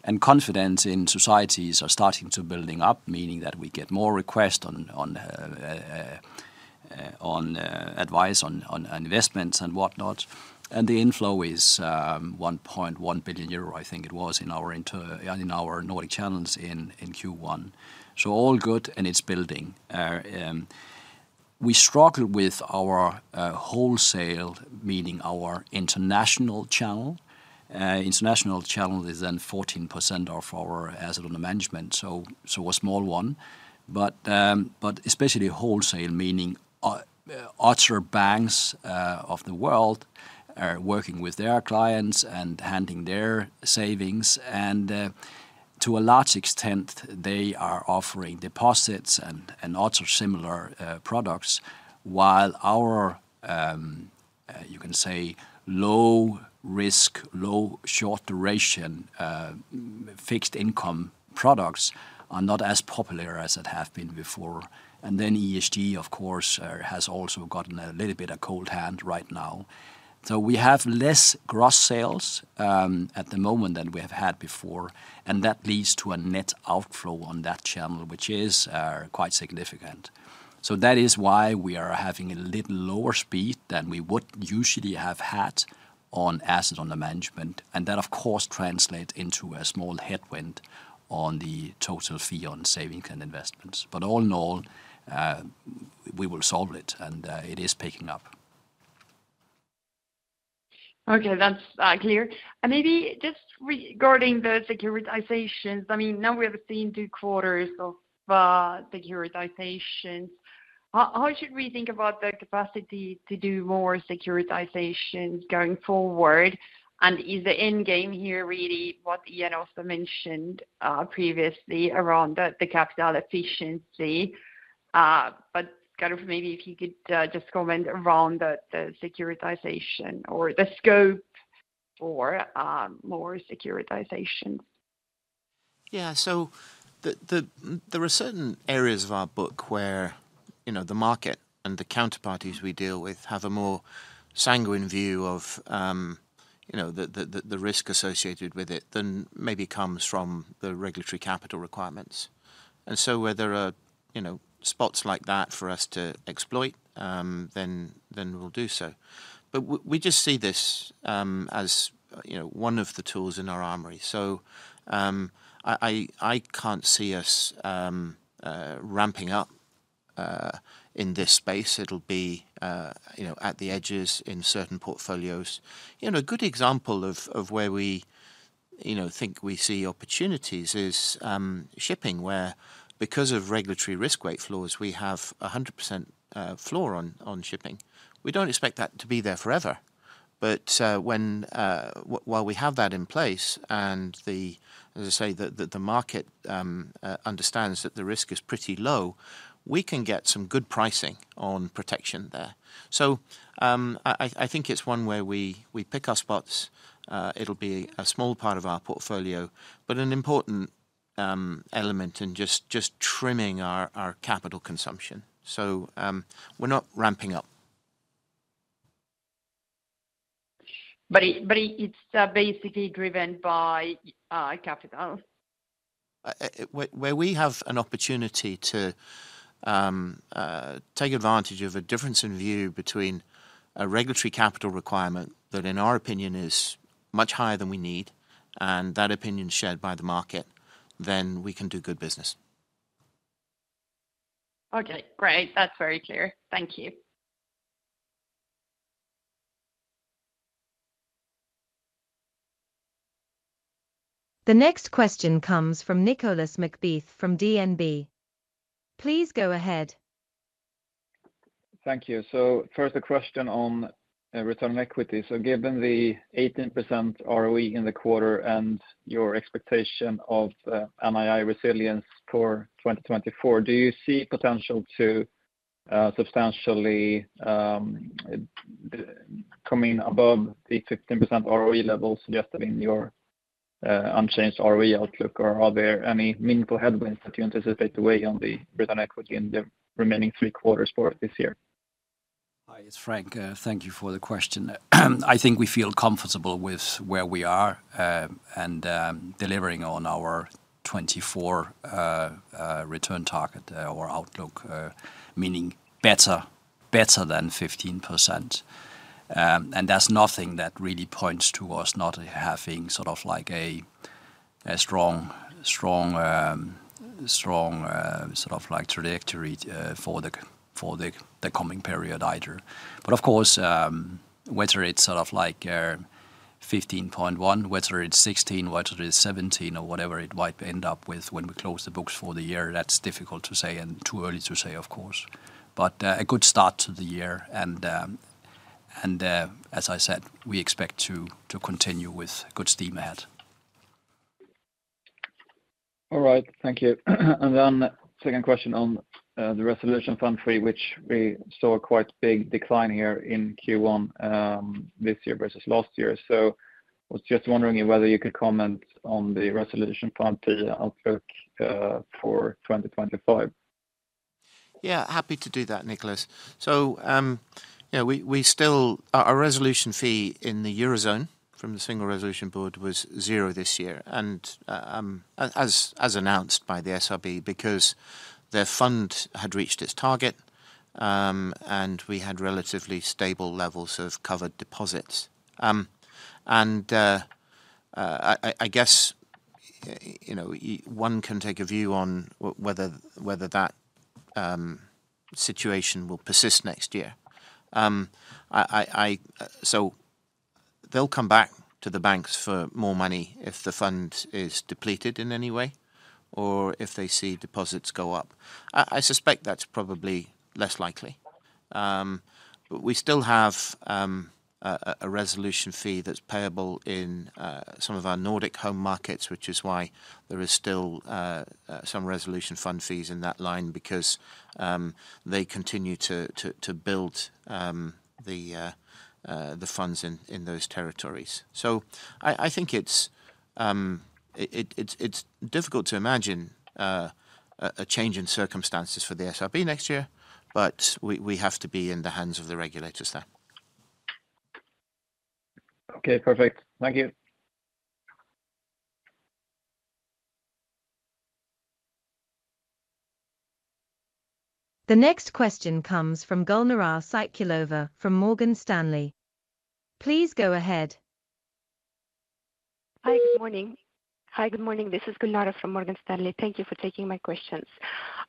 S2: And confidence in societies are starting to building up, meaning that we get more requests on advice, on investments and whatnot. And the inflow is 1.1 billion euro, I think it was, in our Nordic channels in Q1. So all good, and it's building. We struggled with our wholesale, meaning our international channel. International channel is then 14% of our assets under management, so a small one. But especially wholesale, meaning other banks of the world are working with their clients and handling their savings. To a large extent, they are offering deposits and also similar products, while our—you can say—low risk, low short duration fixed income products are not as popular as it have been before. Then ESG, of course, has also gotten a little bit of cold hand right now. So we have less gross sales at the moment than we have had before, and that leads to a net outflow on that channel, which is quite significant. So that is why we are having a little lower speed than we would usually have had on assets under management. That, of course, translates into a small headwind on the total fee on saving and investments. But all in all, we will solve it, and it is picking up.
S7: Okay, that's clear. And maybe just regarding the securitizations, I mean, now we have seen two quarters of securitizations. How should we think about the capacity to do more securitization going forward? And is the end game here really what Ian also mentioned previously around the capital efficiency? But kind of maybe if you could just comment around the securitization or the scope for more securitizations.
S5: Yeah. So there are certain areas of our book where, you know, the market and the counterparties we deal with have a more sanguine view of, you know, the risk associated with it than maybe comes from the regulatory capital requirements. And so where there are, you know, spots like that for us to exploit, then we'll do so. But we just see this, as, you know, one of the tools in our armory. So, I can't see us, ramping up, in this space. It'll be, you know, at the edges in certain portfolios. You know, a good example of where we, you know, think we see opportunities is, shipping, where because of regulatory risk weight floors, we have a 100% floor on, shipping. We don't expect that to be there forever. But while we have that in place, and as I say, the market understands that the risk is pretty low, we can get some good pricing on protection there. So, I think it's one where we pick our spots. It'll be a small part of our portfolio, but an important element in just trimming our capital consumption. So, we're not ramping up.
S7: But it's basically driven by capital?
S5: Where we have an opportunity to take advantage of a difference in view between a regulatory capital requirement that, in our opinion, is much higher than we need, and that opinion is shared by the market, then we can do good business.
S7: Okay, great. That's very clear. Thank you.
S3: The next question comes from Nicolas McBeath from DNB. Please go ahead.
S10: Thank you. First, a question on return on equity. Given the 18% ROE in the quarter and your expectation of NII resilience for 2024, do you see potential to substantially coming above the 15% ROE level suggested in your unchanged ROE outlook? Or are there any meaningful headwinds that you anticipate to weigh on the return equity in the remaining three quarters for this year?
S2: Hi, it's Frank. Thank you for the question. I think we feel comfortable with where we are, and delivering on our 2024 return target, or outlook, meaning better than 15%. And there's nothing that really points to us not having sort of like a strong trajectory for the coming period either. But of course, whether it's sort of like 15.1, whether it's 16, whether it's 17 or whatever it might end up with when we close the books for the year, that's difficult to say and too early to say, of course. But a good start to the year, and as I said, we expect to continue with good steam ahead.
S10: All right. Thank you. Second question on the Single Resolution Fund, which we saw a quite big decline here in Q1, this year versus last year. I was just wondering if whether you could comment on the Single Resolution Fund outlook for 2025.
S5: Yeah, happy to do that, Nicolas. So, you know, we still our resolution fee in the Eurozone from the Single Resolution Board was 0 this year, and as announced by the SRB, because their fund had reached its target, and we had relatively stable levels of covered deposits. And I guess, you know, one can take a view on whether that situation will persist next year. I so they'll come back to the banks for more money if the fund is depleted in any way or if they see deposits go up. I suspect that's probably less likely. But we still have. A resolution fee that's payable in some of our Nordic home markets, which is why there is still some Resolution Fund fees in that line, because they continue to build the funds in those territories. So I think it's difficult to imagine a change in circumstances for the SRB next year, but we have to be in the hands of the regulators there.
S10: Okay, perfect. Thank you.
S3: The next question comes from Gulnara Saitkulova from Morgan Stanley. Please go ahead.
S11: Hi, good morning. Hi, good morning. This is Gulnara from Morgan Stanley. Thank you for taking my questions.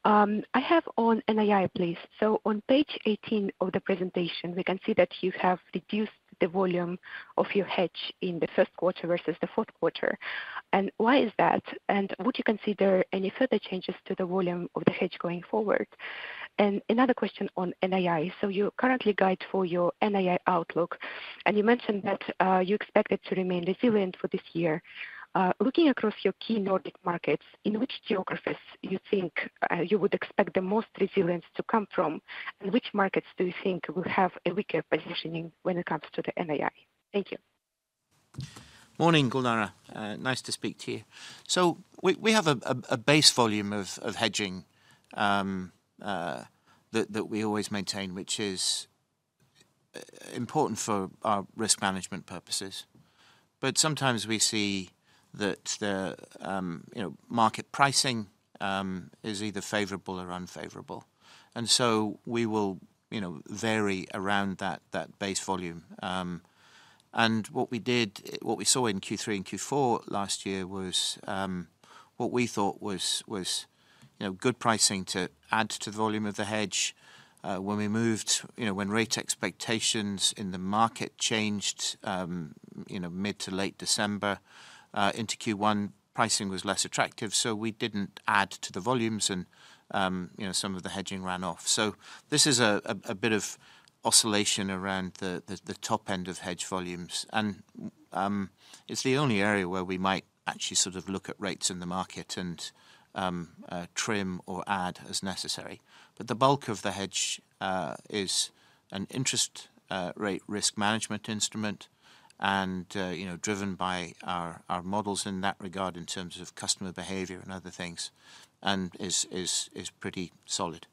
S11: I have on NII, please. So on page 18 of the presentation, we can see that you have reduced the volume of your hedge in the first quarter versus the fourth quarter. And why is that? And would you consider any further changes to the volume of the hedge going forward? And another question on NII. So you currently guide for your NII outlook, and you mentioned that you expect it to remain resilient for this year. Looking across your key Nordic markets, in which geographies you think you would expect the most resilience to come from, and which markets do you think will have a weaker positioning when it comes to the NII? Thank you.
S5: Morning, Gulnara. Nice to speak to you. So we have a base volume of hedging that we always maintain, which is important for our risk management purposes. But sometimes we see that the you know, market pricing is either favorable or unfavorable, and so we will you know, vary around that base volume. And what we did, what we saw in Q3 and Q4 last year was what we thought was you know, good pricing to add to the volume of the hedge. When we moved. You know, when rate expectations in the market changed you know, mid to late December into Q1, pricing was less attractive, so we didn't add to the volumes and you know, some of the hedging ran off. So this is a bit of oscillation around the top end of hedge volumes. And it's the only area where we might actually sort of look at rates in the market and trim or add as necessary. But the bulk of the hedge is an interest rate risk management instrument and you know, driven by our models in that regard, in terms of customer behavior and other things, and is pretty solid.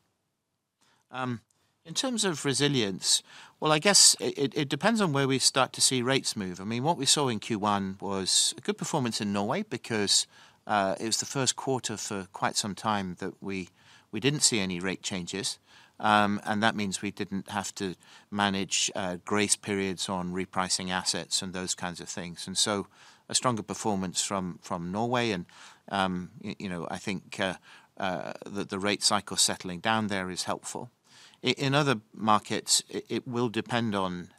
S5: In terms of resilience, well, I guess it depends on where we start to see rates move. I mean, what we saw in Q1 was a good performance in Norway because it was the first quarter for quite some time that we didn't see any rate changes. That means we didn't have to manage grace periods on repricing assets and those kinds of things. So a stronger performance from Norway, and you know, I think the rate cycle settling down there is helpful. In other markets, it will depend on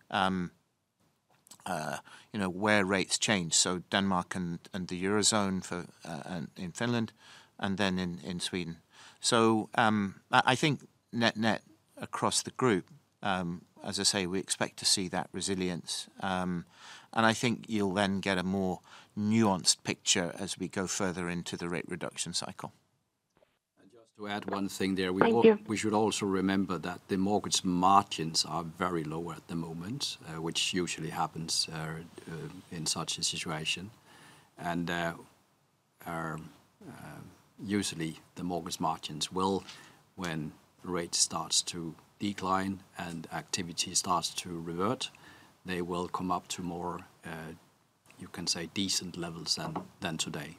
S5: you know, where rates change, so Denmark and the Eurozone, and in Finland, and then in Sweden. So, I think net-net across the group, as I say, we expect to see that resilience. And I think you'll then get a more nuanced picture as we go further into the rate reduction cycle.
S2: And just to add one thing there.
S11: Thank you.
S2: We should also remember that the mortgage margins are very low at the moment, which usually happens in such a situation. And usually the mortgage margins will, when the rate starts to decline and activity starts to revert, they will come up to more, you can say, decent levels than today.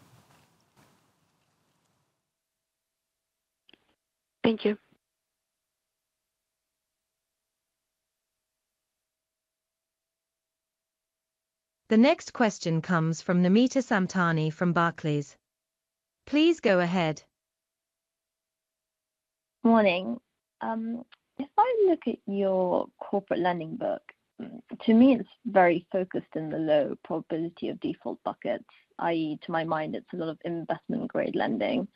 S11: Thank you.
S3: The next question comes from Namita Samtani from Barclays. Please go ahead.
S12: Morning. If I look at your corporate lending book, to me, it's very focused in the low probability of default buckets, i.e., to my mind, it's a lot of investment-grade lending.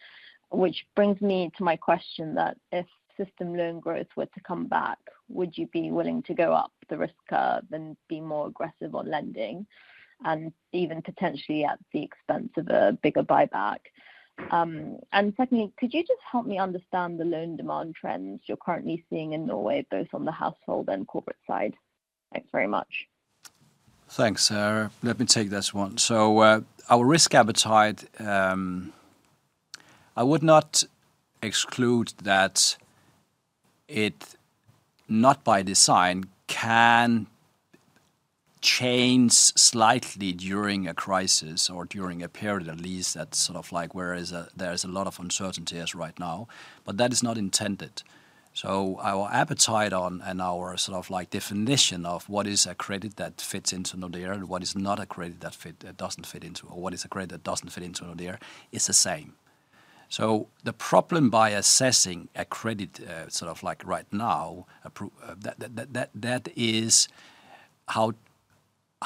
S12: Which brings me to my question, that if system loan growth were to come back, would you be willing to go up the risk curve and be more aggressive on lending, and even potentially at the expense of a bigger buyback? And secondly, could you just help me understand the loan demand trends you're currently seeing in Norway, both on the household and corporate side? Thanks very much.
S2: Thanks, Sarah. Let me take this one. So, our risk appetite, I would not exclude that it, not by design, can change slightly during a crisis or during a period, at least, that's sort of like where there is a lot of uncertainty as right now, but that is not intended. So our appetite on and our sort of like definition of what is a credit that fits into Nordea and what is not a credit that doesn't fit into, or what is a credit that doesn't fit into Nordea, is the same. So the problem by assessing a credit, sort of like right now, that is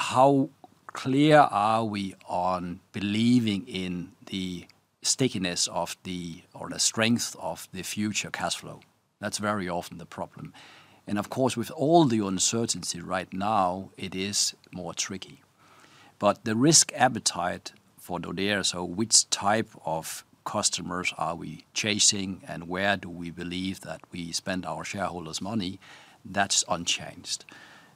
S2: how clear are we on believing in the stickiness of the, or the strength of the future cash flow? That's very often the problem. Of course, with all the uncertainty right now, it is more tricky. But the risk appetite for Nordea, so which type of customers are we chasing, and where do we believe that we spend our shareholders' money, that's unchanged.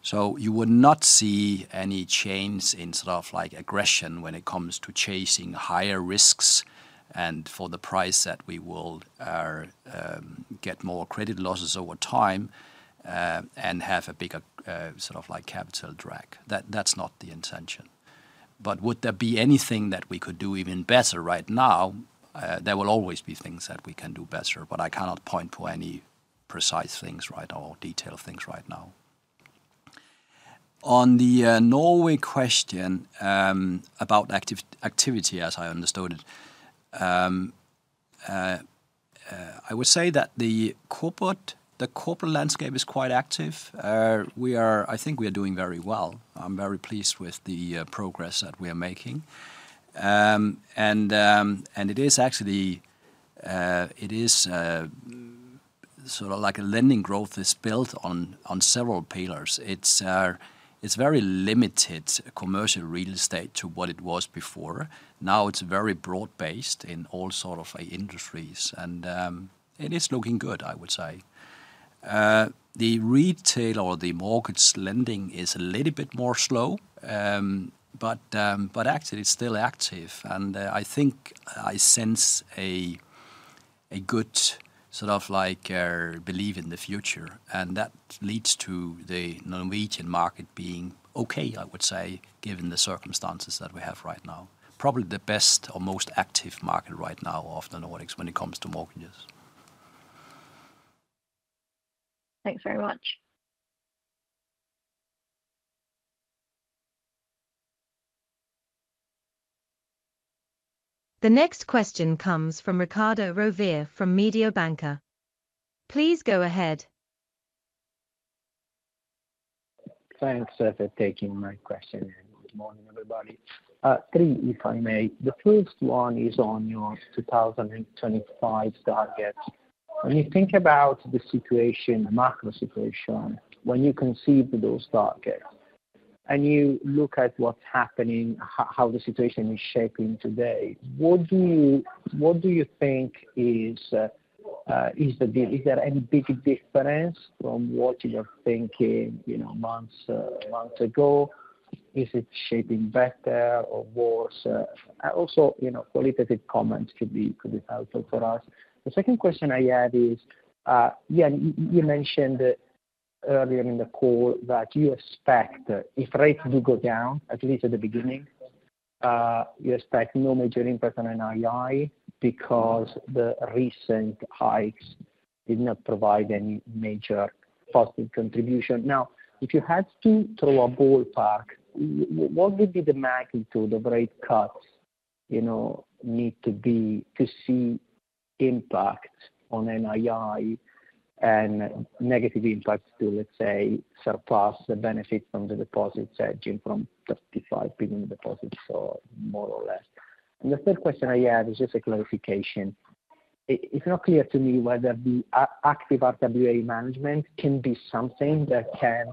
S2: So you would not see any change in sort of like aggression when it comes to chasing higher risks, and for the price that we will get more credit losses over time, and have a bigger sort of like capital drag. That, that's not the intention. But would there be anything that we could do even better right now? There will always be things that we can do better, but I cannot point to any precise things right or detailed things right now. On the Norway question, about activity, as I understood it, I would say that the corporate, the corporate landscape is quite active. I think we are doing very well. I'm very pleased with the progress that we are making. And it is actually sort of like a lending growth is built on several pillars. It's very limited commercial real estate to what it was before. Now it's very broad-based in all sort of industries, and it is looking good, I would say. The retail or the mortgage lending is a little bit more slow, but actually, it's still active. I think I sense a good sort of like believe in the future, and that leads to the Norwegian market being okay, I would say, given the circumstances that we have right now. Probably the best or most active market right now of the Nordics when it comes to mortgages.
S12: Thanks very much.
S3: The next question comes from Riccardo Rovere from Mediobanca. Please go ahead.
S13: Thanks, for taking my question, and good morning, everybody. Three, if I may. The first one is on your 2025 targets. When you think about the situation, macro situation, when you conceived those targets, and you look at what's happening, how the situation is shaping today, what do you, what do you think is, is the big? Is there any big difference from what you were thinking, you know, months, months ago? Is it shaping better or worse? Also, you know, qualitative comments could be helpful for us. The second question I had is, you mentioned earlier in the call that you expect if rates do go down, at least at the beginning, you expect no major impact on NII because the recent hikes did not provide any major positive contribution. Now, if you had to throw a ballpark, what would be the magnitude of rate cuts, you know, need to be to see impact on NII and negative impacts to, let's say, surpass the benefit from the deposit hedging from 35 billion deposits or more or less? And the third question I have is just a clarification. It, it's not clear to me whether the active RWA management can be something that can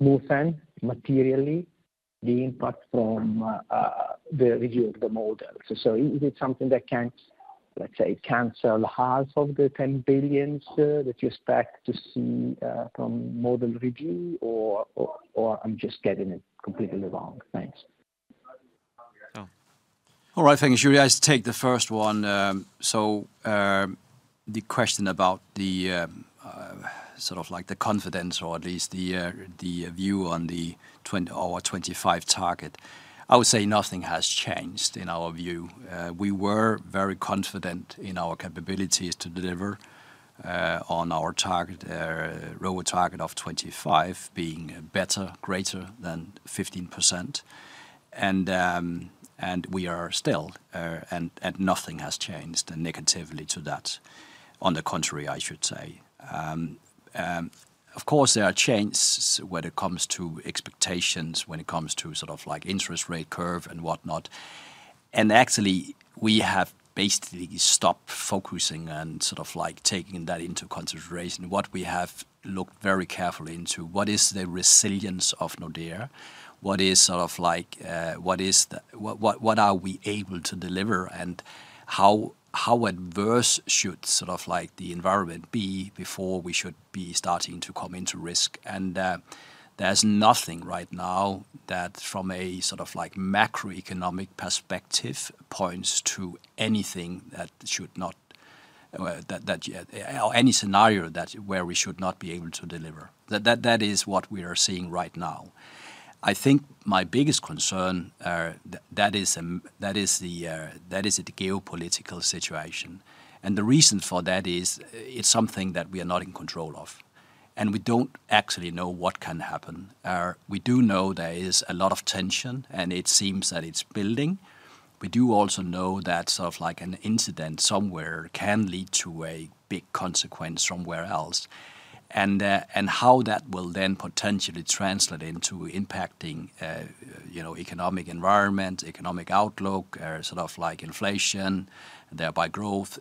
S13: smoothen materially the impact from the review of the model. So is it something that can, let's say, cancel half of the 10 billion that you expect to see from model review, or, or, or I'm just getting it completely wrong? Thanks.
S2: All right. Thank you. I'll just take the first one. So, the question about the sort of like the confidence or at least the view on the 2025 target, I would say nothing has changed in our view. We were very confident in our capabilities to deliver on our target, ROE target of 25 being better, greater than 15%. And we are still, and nothing has changed negatively to that. On the contrary, I should say. Of course, there are changes when it comes to expectations, when it comes to sort of like interest rate curve and whatnot. And actually, we have basically stopped focusing and sort of like taking that into consideration. What we have looked very carefully into, what is the resilience of Nordea? What is sort of like what is the what, what, what are we able to deliver, and how, how adverse should sort of like the environment be before we should be starting to come into risk? And there's nothing right now that from a sort of like macroeconomic perspective points to anything that should not, that, that, or any scenario that—where we should not be able to deliver. That, that, that is what we are seeing right now. I think my biggest concern, that is the geopolitical situation. And the reason for that is it's something that we are not in control of, and we don't actually know what can happen. We do know there is a lot of tension, and it seems that it's building. We do also know that sort of like an incident somewhere can lead to a big consequence somewhere else and how that will then potentially translate into impacting, you know, economic environment, economic outlook, sort of like inflation, and thereby growth.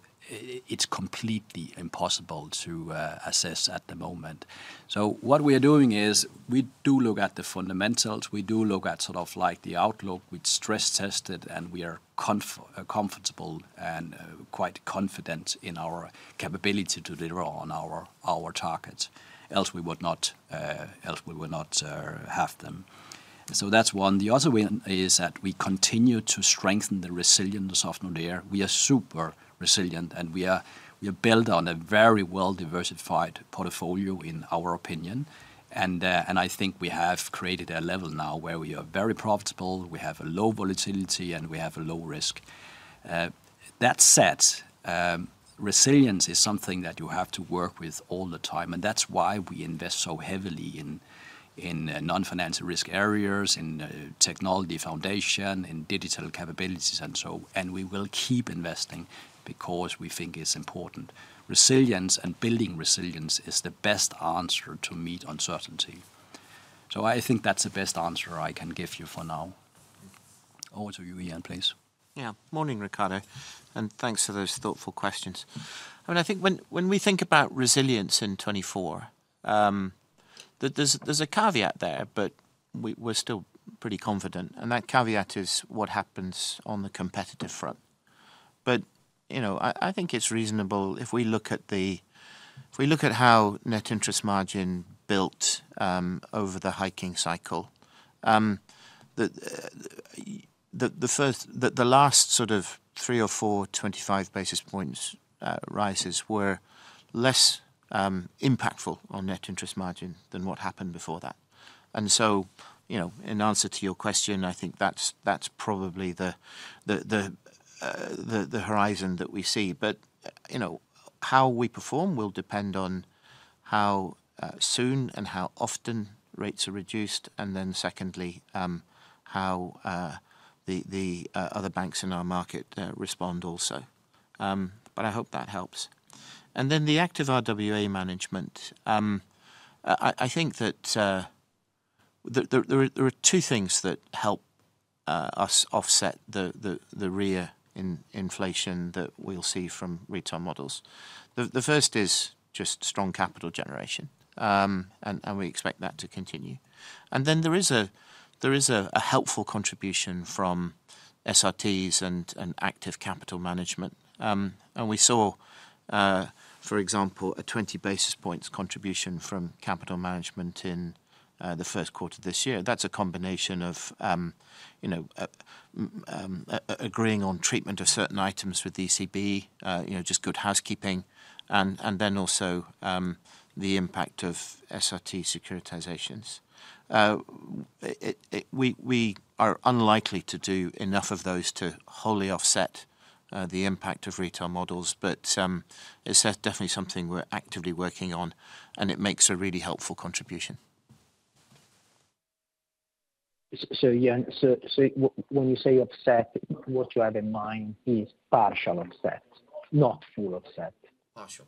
S2: It's completely impossible to assess at the moment. So what we are doing is we do look at the fundamentals. We do look at sort of like the outlook. We've stress-tested, and we are comfortable and quite confident in our capability to deliver on our, our targets. Else we would not, else we would not, have them. So that's one. The other one is that we continue to strengthen the resilience of Nordea. We are super resilient, and we are, we are built on a very well-diversified portfolio, in our opinion. I think we have created a level now where we are very profitable, we have a low volatility, and we have a low risk. That said, resilience is something that you have to work with all the time, and that's why we invest so heavily in non-financial risk areas, in technology foundation, in digital capabilities, and so we will keep investing because we think it's important. Resilience and building resilience is the best answer to meet uncertainty. So I think that's the best answer I can give you for now. Over to you, Ian, please.
S5: Yeah. Morning, Riccardo, and thanks for those thoughtful questions. I mean, I think when we think about resilience in 2024, there's a caveat there, but we're still pretty confident, and that caveat is what happens on the competitive front. But, you know, I think it's reasonable if we look at how net interest margin built over the hiking cycle, the last sort of three or four 25 basis points rises were less impactful on net interest margin than what happened before that. And so, you know, in answer to your question, I think that's probably the horizon that we see. But, you know, how we perform will depend on how soon and how often rates are reduced, and then secondly, how the other banks in our market respond also. But I hope that helps. And then the active RWA management, I think that there are two things that help us offset the RWA inflation that we'll see from retail models. The first is just strong capital generation, and we expect that to continue. And then there is a helpful contribution from SRTs and active capital management. And we saw, for example, a 20 basis points contribution from capital management in the first quarter of this year. That's a combination of, you know, agreeing on treatment of certain items with the ECB, you know, just good housekeeping, and then also the impact of SRT securitizations. We are unlikely to do enough of those to wholly offset the impact of retail models, but it's definitely something we're actively working on, and it makes a really helpful contribution.
S13: So, yeah, when you say offset, what you have in mind is partial offset, not full offset?
S5: Partial.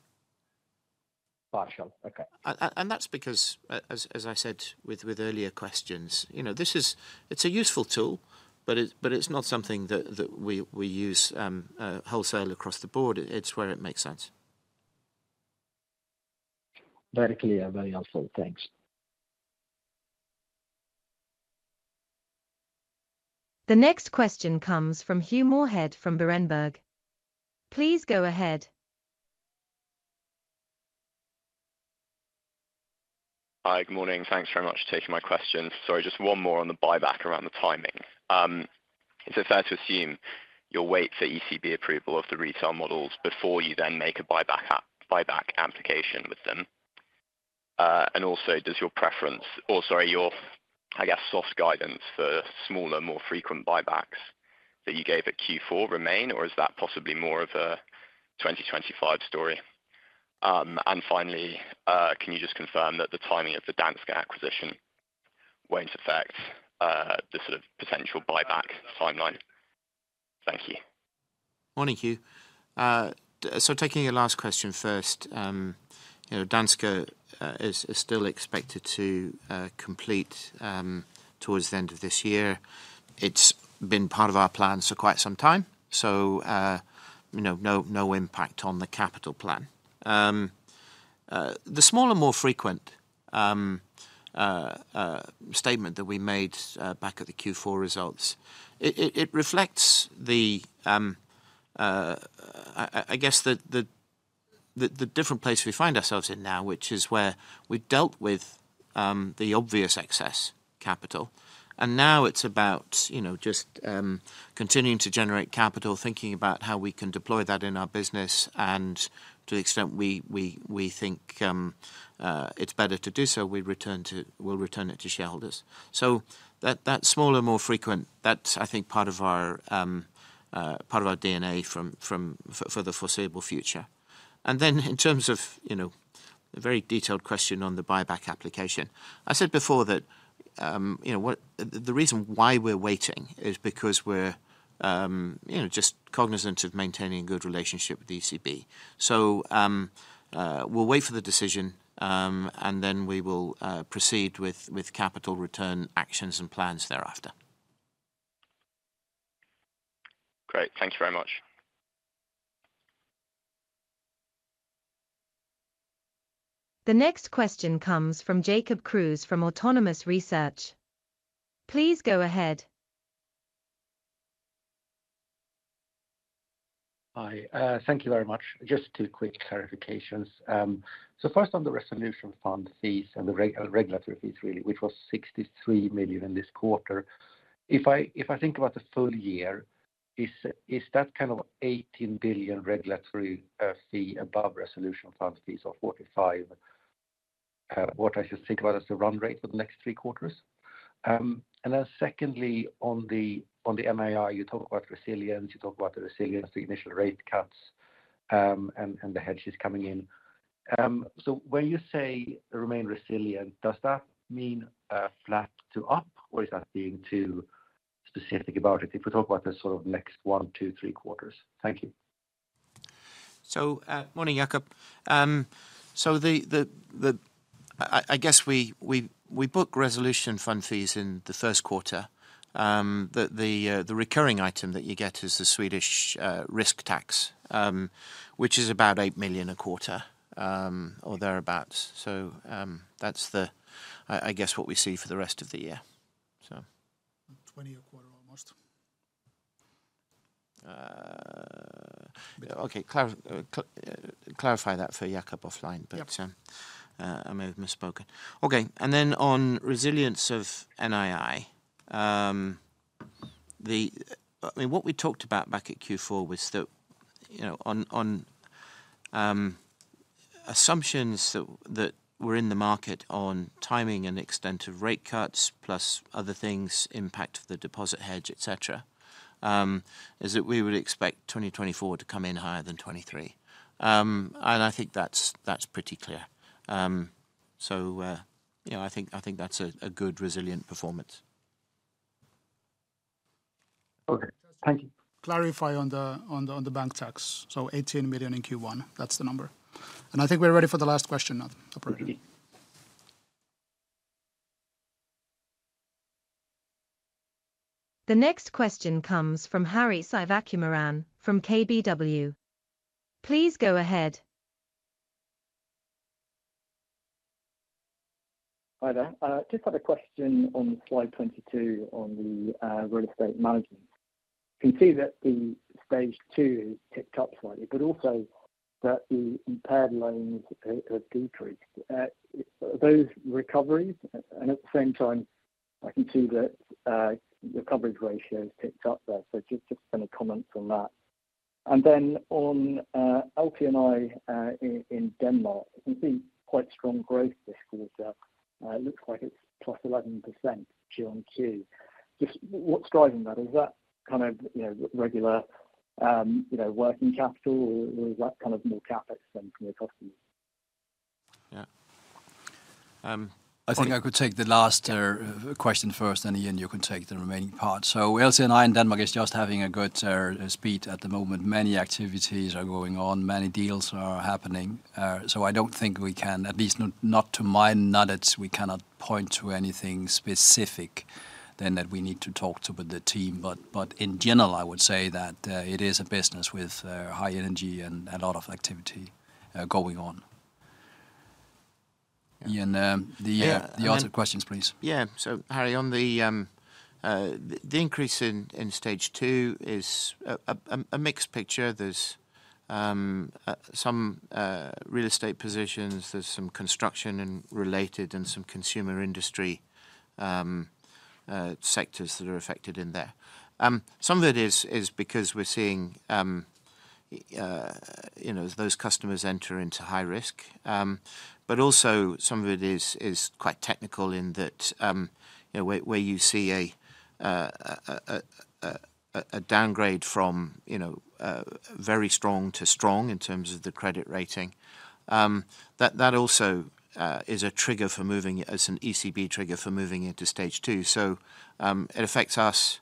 S13: Partial. Okay.
S5: That's because as I said with earlier questions, you know, this is it's a useful tool, but it's not something that we use wholesale across the board. It's where it makes sense.
S13: Very clear, very helpful. Thanks.
S3: The next question comes from Hugh Moorhead from Berenberg. Please go ahead.
S14: Hi. Good morning. Thanks very much for taking my question. Sorry, just one more on the buyback around the timing. Is it fair to assume you'll wait for ECB approval of the retail models before you then make a buyback app, buyback application with them? And also, does your preference, or sorry, your, I guess, soft guidance for smaller, more frequent buybacks that you gave at Q4 remain, or is that possibly more of a 2025 story? And finally, can you just confirm that the timing of the Danske acquisition won't affect the sort of potential buyback timeline? Thank you.
S5: Morning, Hugh. So taking your last question first, you know, Danske is still expected to complete towards the end of this year. It's been part of our plan for quite some time, so you know, no impact on the capital plan. The smaller, more frequent statement that we made back at the Q4 results, it reflects the I guess the different place we find ourselves in now, which is where we've dealt with the obvious excess capital, and now it's about, you know, just continuing to generate capital, thinking about how we can deploy that in our business, and to the extent we think it's better to do so, we'll return it to shareholders. So that smaller, more frequent, that's, I think, part of our DNA for the foreseeable future. And then in terms of, you know, the very detailed question on the buyback application, I said before that, the reason why we're waiting is because we're just cognizant of maintaining a good relationship with the ECB. So, we'll wait for the decision, and then we will proceed with capital return actions and plans thereafter.
S14: Great. Thank you very much.
S3: The next question comes from Jacob Kruse from Autonomous Research. Please go ahead.
S15: Hi, thank you very much. Just two quick clarifications. So first, on the Resolution Fund fees and the regulatory fees, really, which was 63 million in this quarter. If I, if I think about the full year, is, is that kind of 18 billion regulatory fee above Resolution Fund fees of 45 what I should think about as the run rate for the next three quarters? And then secondly, on the, on the NII, you talk about resilience, you talk about the resilience, the initial rate cuts, and, and the hedges coming in. So when you say remain resilient, does that mean, flat to up? Or is that being too specific about it, if we talk about the sort of next one to three quarters? Thank you.
S5: So, morning, Jacob. I guess we book Resolution Fund fees in the first quarter. The recurring item that you get is the Swedish risk tax, which is about 8 million a quarter, or thereabouts. So, that's what we see for the rest of the year, so 20 a quarter, almost. Okay, clarify that for Jacob offline. But, I may have misspoken. Okay, and then on resilience of NII, I mean, what we talked about back at Q4 was that, you know, on, on, assumptions that, that were in the market on timing and extent of rate cuts, plus other things, impact of the deposit hedge, et cetera, is that we would expect 2024 to come in higher than 2023. And I think that's, that's pretty clear. So, you know, I think, I think that's a, a good resilient performance.
S15: Okay. Thank you.
S5: Clarify on the bank tax. 18 million in Q1, that's the number. I think we're ready for the last question now, operator.
S3: The next question comes from Hari Sivakumaran from KBW. Please go ahead.
S16: Hi there. I just had a question on slide 22 on the real estate management. Can you see that the Stage 2 has ticked up slightly, but also that the impaired loans have decreased? Those recoveries, and at the same time, I can see that the coverage ratio has ticked up there. So just any comments on that. And then on LC&I in Denmark, you can see quite strong growth this quarter. It looks like it's +11% quarter-over-quarter. Just what's driving that? Is that kind of, you know, regular working capital, or is that kind of more CapEx then from your customers?
S2: I think I could take the last question first, then, Ian, you can take the remaining part. So LC&I in Denmark is just having a good speed at the moment. Many activities are going on, many deals are happening. So I don't think we can, at least not, not to my knowledge, we cannot point to anything specific than that we need to talk to with the team. But, but in general, I would say that, it is a business with, high energy and a lot of activity, going on. Ian, the other questions, please.
S5: Yeah. So, Hari, on the increase in Stage 2 is a mixed picture. There's some real estate positions, there's some construction and related, and some consumer industry sectors that are affected in there. Some of it is because we're seeing, you know, those customers enter into high risk. But also some of it is quite technical in that, you know, where you see a downgrade from, you know, very strong to strong in terms of the credit rating. That also is a trigger for moving it's an ECB trigger for moving into Stage 2. So, it affects us.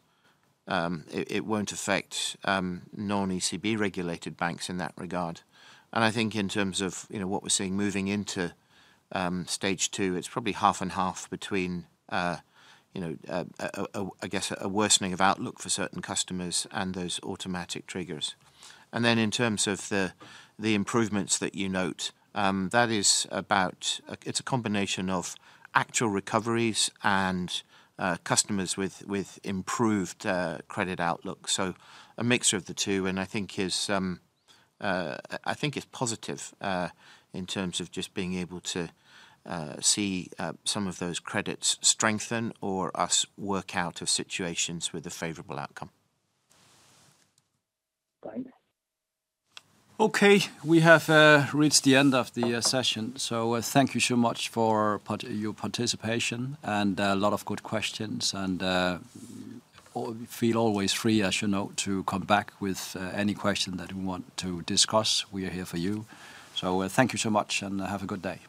S5: It won't affect non-ECB regulated banks in that regard. I think in terms of, you know, what we're seeing moving into Stage 2, it's probably half and half between, you know, I guess, a worsening of outlook for certain customers and those automatic triggers. And then in terms of the improvements that you note, that is about. It's a combination of actual recoveries and customers with improved credit outlook. So a mixture of the two, and I think it's positive in terms of just being able to see some of those credits strengthen or us work out of situations with a favorable outcome.
S16: Great.
S2: Okay, we have reached the end of the session. So, thank you so much for your participation and a lot of good questions. And feel always free, as you know, to come back with any question that you want to discuss. We are here for you. So, thank you so much and have a good day.